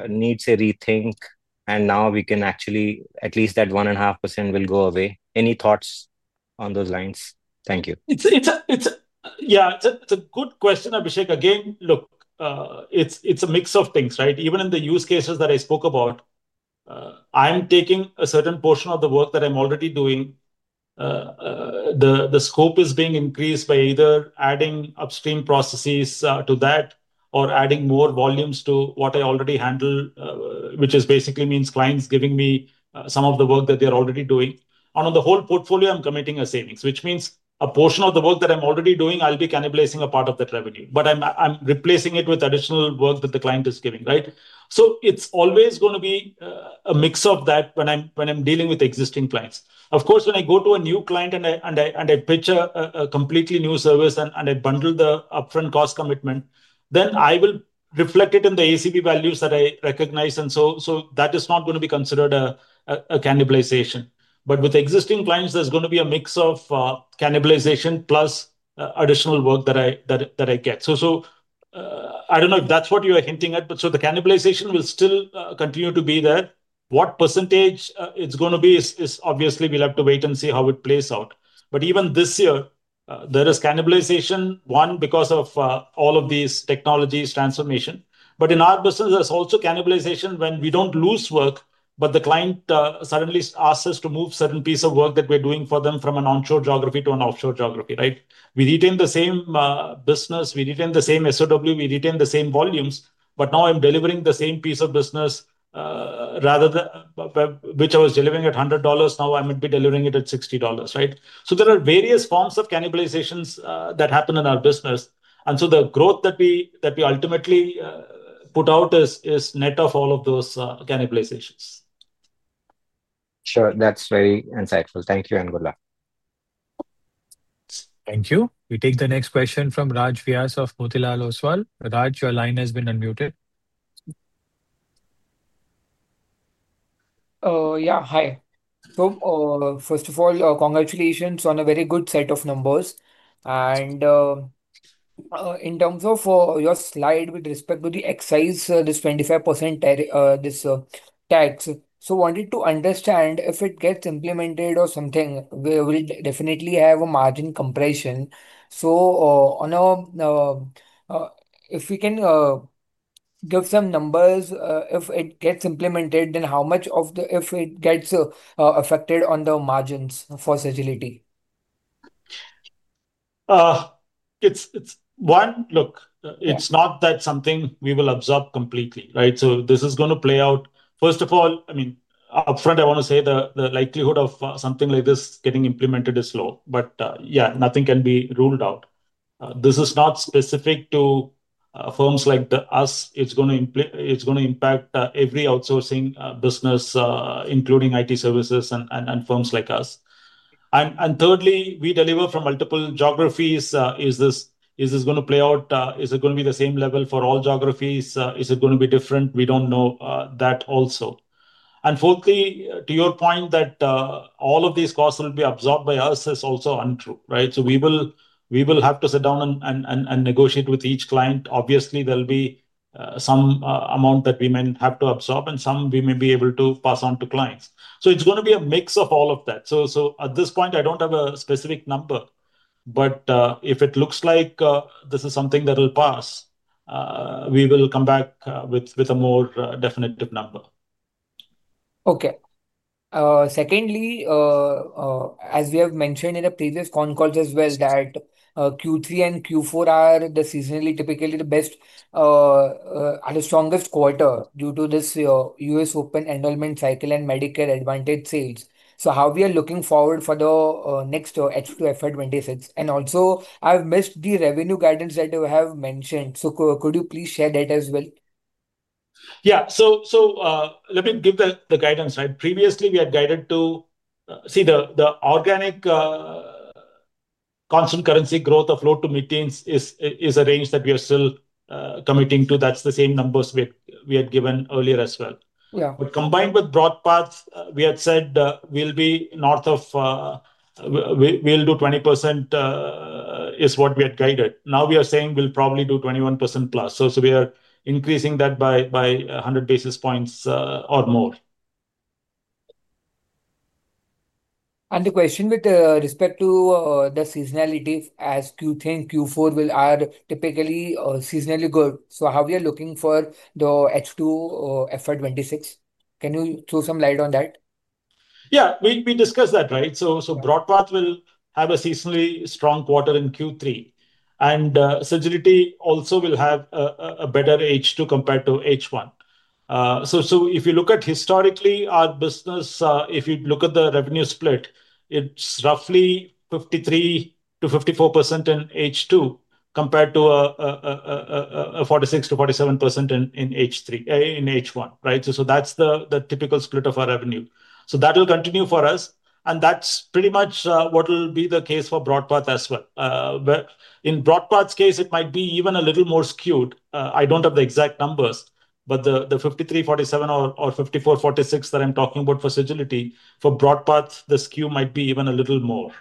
needs a rethink and now we can actually, at least that 1.5% will go away? Any thoughts on those lines? Thank you. Yeah, it's a good question, Abhishek. Again, look, it's a mix of things, right? Even in the use cases that I spoke about, I'm taking a certain portion of the work that I'm already doing. The scope is being increased by either adding upstream processes to that or adding more volumes to what I already handle, which basically means clients giving me some of the work that they're already doing. On the whole portfolio, I'm committing a savings, which means a portion of the work that I'm already doing, I'll be cannibalizing a part of that revenue, but I'm replacing it with additional work that the client is giving, right? It's always going to be a mix of that when I'm dealing with existing clients. Of course, when I go to a new client and I pitch a completely new service and I bundle the upfront cost commitment, then I will reflect it in the ACV values that I recognize. That is not going to be considered a cannibalization. With existing clients, there's going to be a mix of cannibalization plus additional work that I get. I don't know if that's what you are hinting at, but the cannibalization will still continue to be there. What percentage it's going to be is obviously we'll have to wait and see how it plays out. Even this year, there is cannibalization, one, because of all of these technology transformations. In our business, there's also cannibalization when we don't lose work, but the client suddenly asks us to move a certain piece of work that we're doing for them from an onshore geography to an offshore geography, right? We retain the same business, we retain the same SOW, we retain the same volumes, but now I'm delivering the same piece of business which I was delivering at $100. Now I might be delivering it at $60, right? There are various forms of cannibalizations that happen in our business. The growth that we ultimately put out is net of all of those cannibalizations. Sure. That's very insightful. Thank you and good luck. Thank you. We take the next question from Raj Vyas of Motilal Oswal. Raj, your line has been unmuted. Hi. First of all, congratulations on a very good set of numbers. In terms of your slide with respect to the excise, this 25% tax, I wanted to understand if it gets implemented or something, we'll definitely have a margin compression. If you can give some numbers, if it gets implemented, then how much of it gets affected on the margins for Sagility? One, look, it's not that something we will absorb completely, right? This is going to play out. First of all, I mean, upfront, I want to say the likelihood of something like this getting implemented is low. Nothing can be ruled out. This is not specific to firms like us. It's going to impact every outsourcing business, including IT services and firms like us. Thirdly, we deliver from multiple geographies. Is this going to play out? Is it going to be the same level for all geographies? Is it going to be different? We don't know that also. Fourthly, to your point that all of these costs will be absorbed by us is also untrue, right? We will have to sit down and negotiate with each client. Obviously, there'll be some amount that we may have to absorb and some we may be able to pass on to clients. It's going to be a mix of all of that. At this point, I don't have a specific number, but if it looks like this is something that will pass, we will come back with a more definitive number. Okay. Secondly, as we have mentioned in the previous con calls as well, Q3 and Q4 are seasonally, typically the best and the strongest quarter due to this U.S. open enrollment cycle and Medicare Advantage sales. How are we looking forward for the next H2 FY 2026? Also, I've missed the revenue guidance that you have mentioned. Could you please share that as well? Yeah. Let me give the guidance, right? Previously, we had guided to see the organic constant currency growth of low to mid teens is a range that we are still committing to. That's the same numbers we had given earlier as well. Combined with BroadPath, we had said we'll be north of, we'll do 20% is what we had guided. Now we are saying we'll probably do 21%+. We are increasing that by 100 basis points or more. The question with respect to the seasonality is, as Q3 and Q4 are typically seasonally good, how are we looking for the H2 FY 2026? Can you throw some light on that? Yeah, we discussed that, right? BroadPath will have a seasonally strong quarter in Q3, and Sagility also will have a better H2 compared to H1. If you look at historically our business, if you look at the revenue split, it's roughly 53%-54% in H2 compared to 46%-47% in H1, right? That's the typical split of our revenue. That'll continue for us, and that's pretty much what will be the case for BroadPath as well. In BroadPath's case, it might be even a little more skewed. I don't have the exact numbers, but the 53%, 47%, or 54%, 46% that I'm talking about for Sagility, for BroadPath, the skew might be even a little more.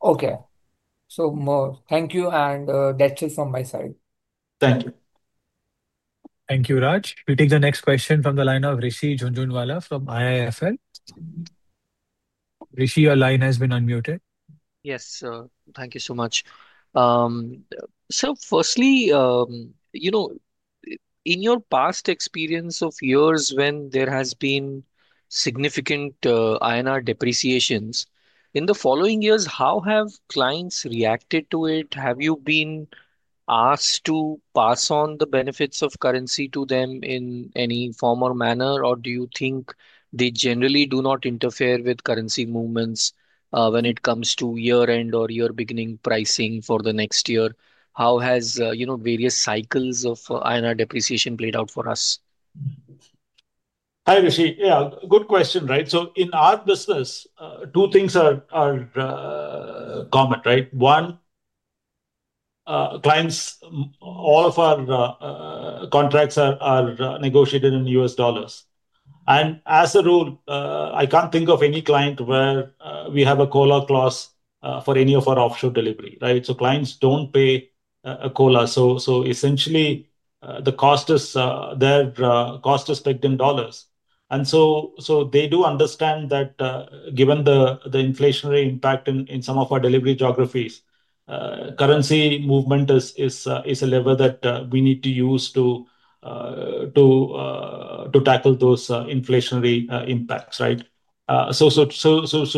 Thank you, and that's it from my side. Thank you. Thank you, Raj. We take the next question from the line of Rishi Jhunjhunwala from IIFL. Rishi, your line has been unmuted. Yes, sir. Thank you so much. Sir, firstly, in your past experience of years when there has been significant INR depreciations, in the following years, how have clients reacted to it? Have you been asked to pass on the benefits of currency to them in any form or manner, or do you think they generally do not interfere with currency movements when it comes to year-end or year-beginning pricing for the next year? How has various cycles of INR depreciation played out for us? Hi, Rishi. Yeah, good question, right? In our business, two things are common, right? One, clients, all of our contracts are negotiated in US dollars. As a rule, I can't think of any client where we have a cola clause for any of our offshore delivery, right? Clients don't pay a cola. Essentially, the cost is their cost is pegged in dollars. They do understand that given the inflationary impact in some of our delivery geographies, currency movement is a lever that we need to use to tackle those inflationary impacts, right?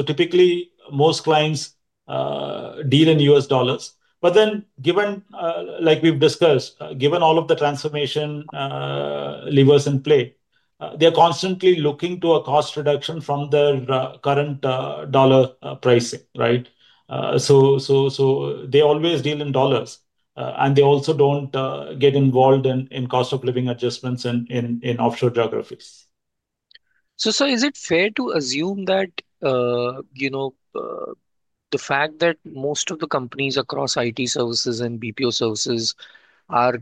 Typically, most clients deal in US dollars. Given, like we've discussed, given all of the transformation levers in play, they're constantly looking to a cost reduction from their current dollar pricing, right? They always deal in dollars, and they also don't get involved in cost of living adjustments in offshore geographies. Is it fair to assume that the fact that most of the companies across IT services and BPO services are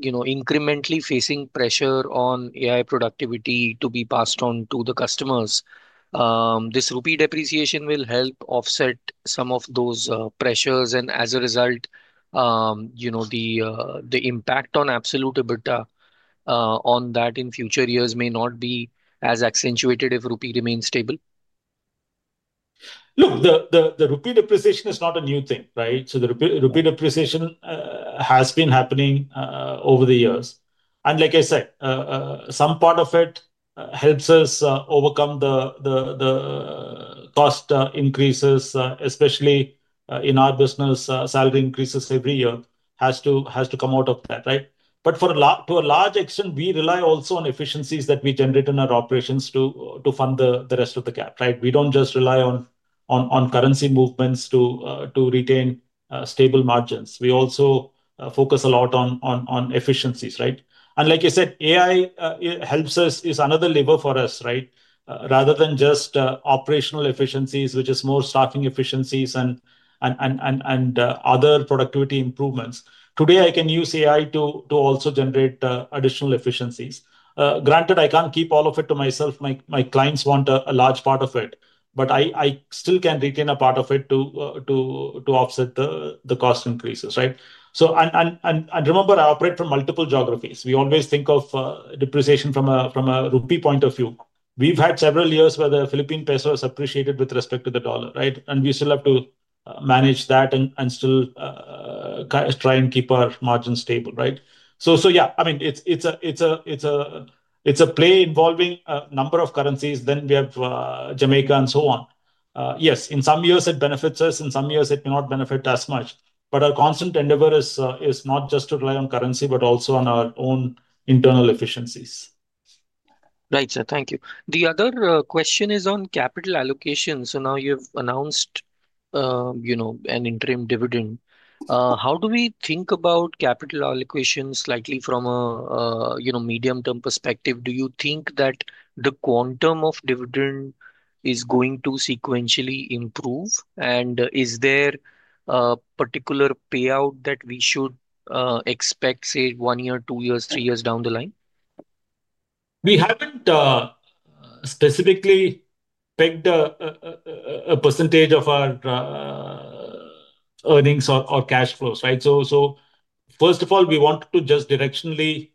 incrementally facing pressure on AI productivity to be passed on to the customers, this rupee depreciation will help offset some of those pressures, and as a result, the impact on absolute EBITDA on that in future years may not be as accentuated if rupee remains stable? Look, the rupee depreciation is not a new thing, right? The rupee depreciation has been happening over the years. Like I said, some part of it helps us overcome the cost increases, especially in our business. Salary increases every year have to come out of that, right? To a large extent, we rely also on efficiencies that we generate in our operations to fund the rest of the gap, right? We don't just rely on currency movements to retain stable margins. We also focus a lot on efficiencies, right? Like I said, AI helps us, is another lever for us, right? Rather than just operational efficiencies, which is more staffing efficiencies and other productivity improvements, today I can use AI to also generate additional efficiencies. Granted, I can't keep all of it to myself. My clients want a large part of it, but I still can retain a part of it to offset the cost increases, right? Remember, I operate from multiple geographies. We always think of depreciation from a rupee point of view. We've had several years where the Philippine peso has appreciated with respect to the dollar, right? We still have to manage that and still try and keep our margins stable, right? It's a play involving a number of currencies. Then we have Jamaica and so on. Yes, in some years it benefits us, in some years it may not benefit us much. Our constant endeavor is not just to rely on currency, but also on our own internal efficiencies. Right, sir. Thank you. The other question is on capital allocation. Now you've announced, you know, an interim dividend. How do we think about capital allocation slightly from a, you know, medium-term perspective? Do you think that the quantum of dividend is going to sequentially improve? Is there a particular payout that we should expect, say, one year, two years, three years down the line? We haven't specifically pegged a percentage of our earnings or cash flows, right? First of all, we want to just directionally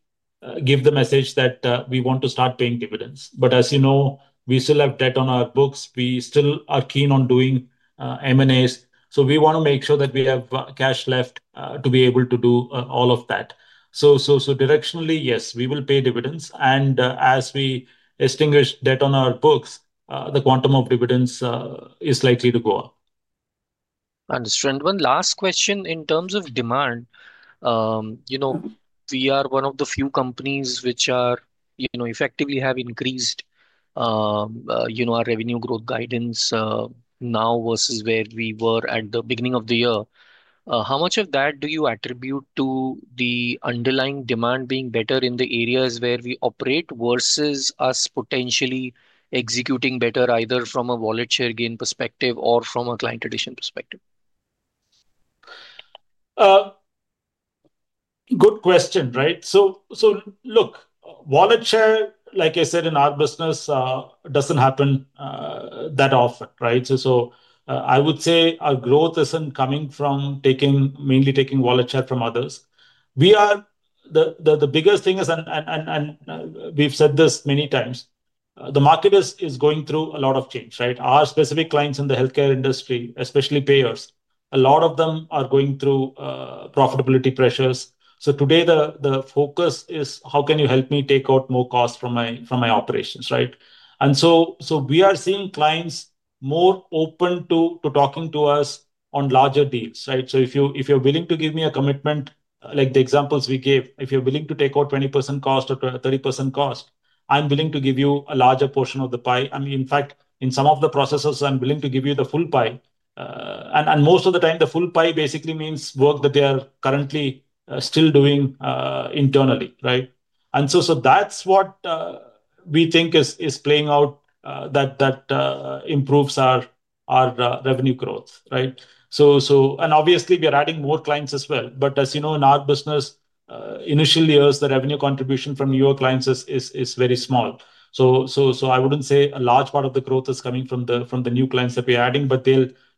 give the message that we want to start paying dividends. As you know, we still have debt on our books. We still are keen on doing M&As. We want to make sure that we have cash left to be able to do all of that. Directionally, yes, we will pay dividends. As we extinguish debt on our books, the quantum of dividends is likely to go up. Understood. One last question in terms of demand. We are one of the few companies which have effectively increased our revenue growth guidance now versus where we were at the beginning of the year. How much of that do you attribute to the underlying demand being better in the areas where we operate versus us potentially executing better either from a wallet share gain perspective or from a client addition perspective? Good question, right? Look, wallet share, like I said, in our business doesn't happen that often, right? I would say our growth isn't coming from mainly taking wallet share from others. The biggest thing is, and we've said this many times, the market is going through a lot of change, right? Our specific clients in the healthcare industry, especially payers, a lot of them are going through profitability pressures. Today the focus is how can you help me take out more costs from my operations, right? We are seeing clients more open to talking to us on larger deals, right? If you're willing to give me a commitment, like the examples we gave, if you're willing to take out 20% cost or 30% cost, I'm willing to give you a larger portion of the pie. In fact, in some of the processes, I'm willing to give you the full pie. Most of the time, the full pie basically means work that they are currently still doing internally, right? That's what we think is playing out that improves our revenue growth, right? Obviously, we are adding more clients as well. As you know, in our business, initial years, the revenue contribution from newer clients is very small. I wouldn't say a large part of the growth is coming from the new clients that we are adding, but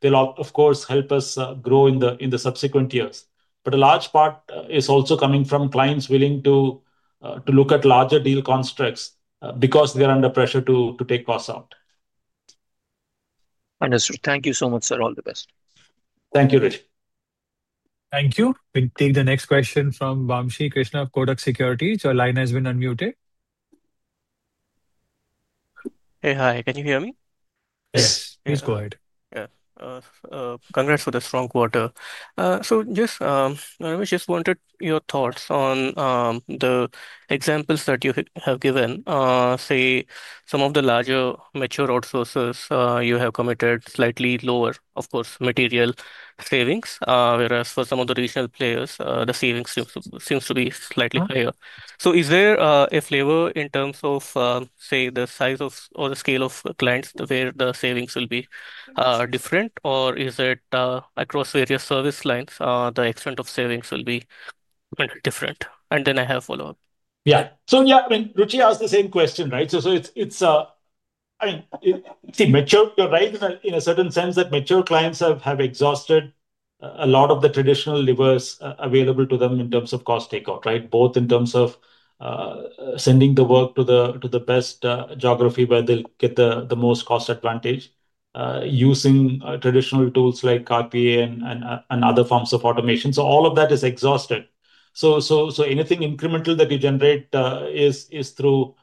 they'll, of course, help us grow in the subsequent years. A large part is also coming from clients willing to look at larger deal constructs because they're under pressure to take costs out. Understood. Thank you so much, sir. All the best. Thank you, Rishi. Thank you. We take the next question from Vamshi Krishna of Kotak Securities. Your line has been unmuted. Hi. Can you hear me? Yes, please go ahead. Yeah. Congrats for the strong quarter. Ramesh, just wanted your thoughts on the examples that you have given. Say, some of the larger mature outsourcers, you have committed slightly lower, of course, material savings, whereas for some of the regional players, the savings seems to be slightly higher. Is there a flavor in terms of, say, the size of or the scale of clients where the savings will be different, or is it across various service lines the extent of savings will be different? I have a follow-up. Yeah, I mean, Rishi asked the same question, right? You're right in a certain sense that mature clients have exhausted a lot of the traditional levers available to them in terms of cost takeout, both in terms of sending the work to the best geography where they'll get the most cost advantage using traditional tools like CAP and other forms of automation. All of that is exhausted. Anything incremental that we generate is through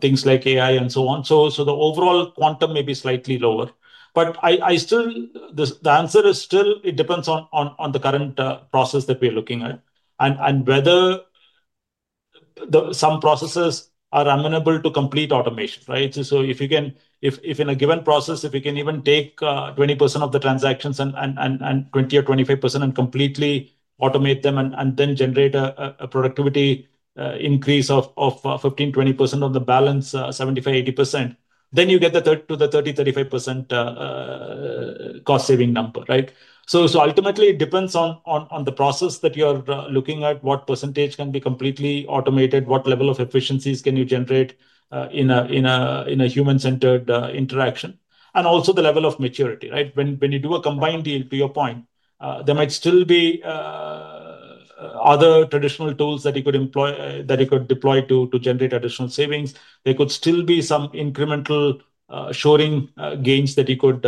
things like AI and so on. The overall quantum may be slightly lower. I still, the answer is still, it depends on the current process that we're looking at and whether some processes are amenable to complete automation. If in a given process, you can even take 20% of the transactions, 20% or 25%, and completely automate them and then generate a productivity increase of 15%, 20% on the balance, 75%, 80%, then you get the 30%-35% cost-saving number. Ultimately, it depends on the process that you're looking at, what percentage can be completely automated. Efficiencies can you generate in a human-centered interaction and also the level of maturity, right? When you do a combined deal, to your point, there might still be other traditional tools that you could employ, that you could deploy to generate additional savings. There could still be some incremental shoring gains that you could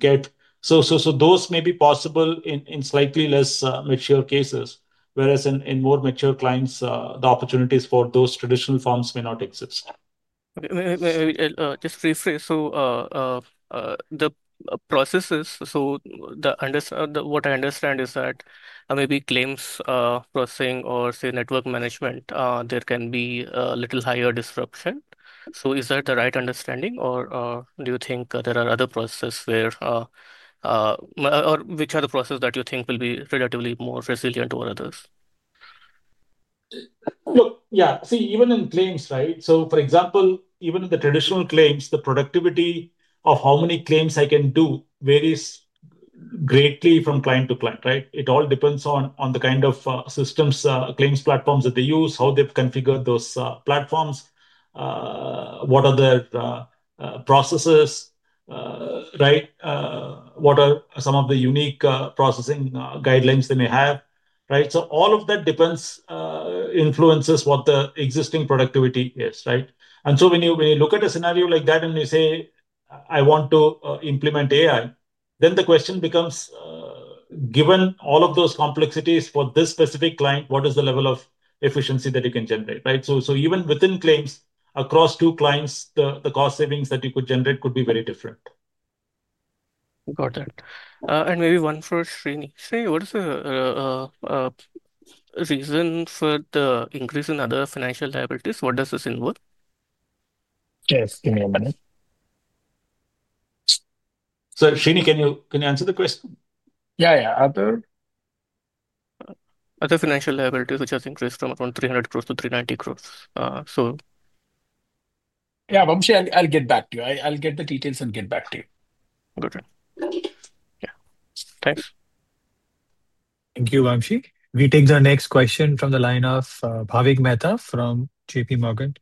get. Those may be possible in slightly less mature cases, whereas in more mature clients, the opportunities for those traditional forms may not exist. Just to rephrase, the processes, what I understand is that maybe claims processing or network management, there can be a little higher disruption. Is that the right understanding, or do you think there are other processes, or which are the processes that you think will be relatively more resilient over others? Yeah, see even in claims, right? For example, even in the traditional claims, the productivity of how many claims I can do varies greatly from client to client, right? It all depends on the kind of systems, claims platforms that they use, how they've configured those platforms, what are their processes, right? What are some of the unique processing guidelines they may have, right? All of that influences what the existing productivity is, right? When you look at a scenario like that and you say, I want to implement AI, the question becomes, given all of those complexities for this specific client, what is the level of efficiency that you can generate, right? Even within claims, across two clients, the cost savings that you could generate could be very different. Got it. Maybe one for Srini. Srini, what is the reason for the increase in other financial liabilities? What does this involve? Yes, give me a minute. Srini, can you answer the question? Yeah, yeah. Other financial liabilities which have increased from around 300 crore-390 crore. Yeah, Vamshi, I'll get back to you. I'll get the details and get back to you. Okay, yeah, thanks. Thank you, Vamshi. We take the next question from the line of Bhavik Mehta from JPMorgan.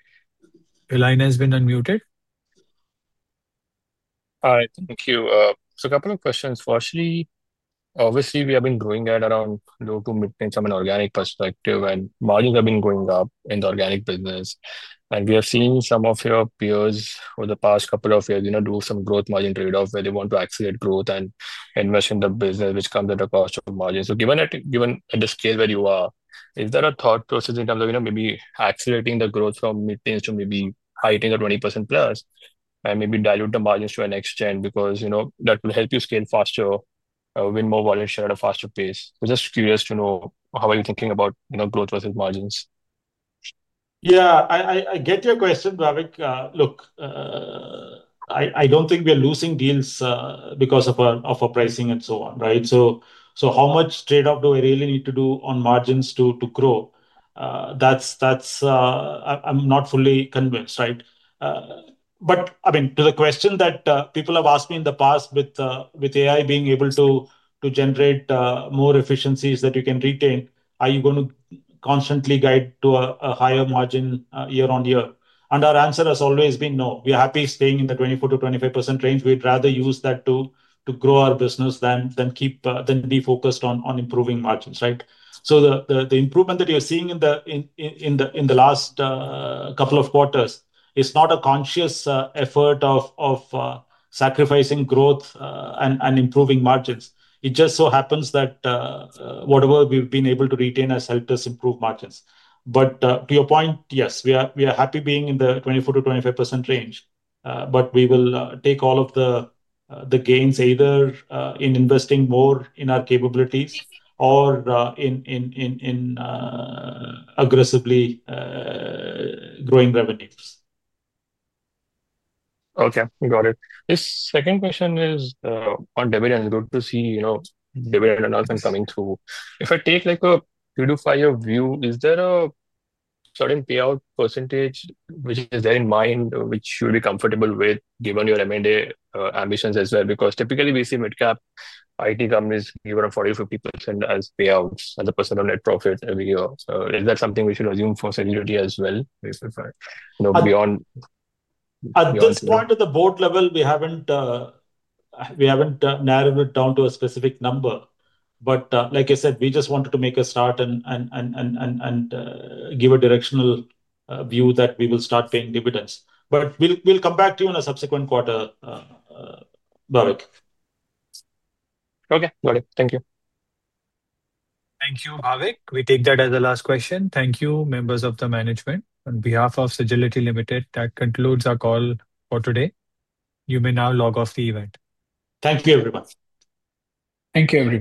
Your line has been unmuted. Hi, thank you. A couple of questions for Srini. Obviously, we have been growing at around low to mid range from an organic perspective, and margins have been going up in the organic business. We have seen some of your peers over the past couple of years do some growth margin trade-offs where they want to accelerate growth and invest in the business, which comes at a cost of margin. Given at the scale where you are, is there a thought process in terms of maybe accelerating the growth from mid range to maybe higher than 20%+ and maybe dilute the margins to an extent because that will help you scale faster, win more volume share at a faster pace? We're just curious to know how are you thinking about growth versus margins? Yeah, I get your question, Bhavik. Look, I don't think we are losing deals because of our pricing and so on, right? How much trade-off do I really need to do on margins to grow? I'm not fully convinced, right? To the question that people have asked me in the past with AI being able to generate more efficiencies that you can retain, are you going to constantly guide to a higher margin year-on-year? Our answer has always been no. We are happy staying in the 24%-25% range. We'd rather use that to grow our business than be focused on improving margins, right? The improvement that you're seeing in the last couple of quarters is not a conscious effort of sacrificing growth and improving margins. It just so happens that whatever we've been able to retain has helped us improve margins. To your point, yes, we are happy being in the 24%-25% range, but we will take all of the gains either in investing more in our capabilities or in aggressively growing revenues. Okay, got it. This second question is on dividends. Good to see, you know, dividend announcement coming through. If I take like a three to five-year view, is there a certain payout percentage which is there in mind, which you'll be comfortable with given your M&A ambitions as well? Because typically we see mid-cap IT companies give around 40%-50% as payouts and the percentage of net profits every year. Is that something we should assume for Sagility as well? No, beyond at this point at the board level, we haven't narrowed it down to a specific number. Like I said, we just wanted to make a start and give a directional view that we will start paying dividends. We'll come back to you in a subsequent quarter, Bhavik. Okay, got it. Thank you. Thank you, Bhavik. We take that as a last question. Thank you, members of the management. On behalf of Sagility India Ltd., that concludes our call for today. You may now log off the event. Thank you, everyone. Thank you, everyone.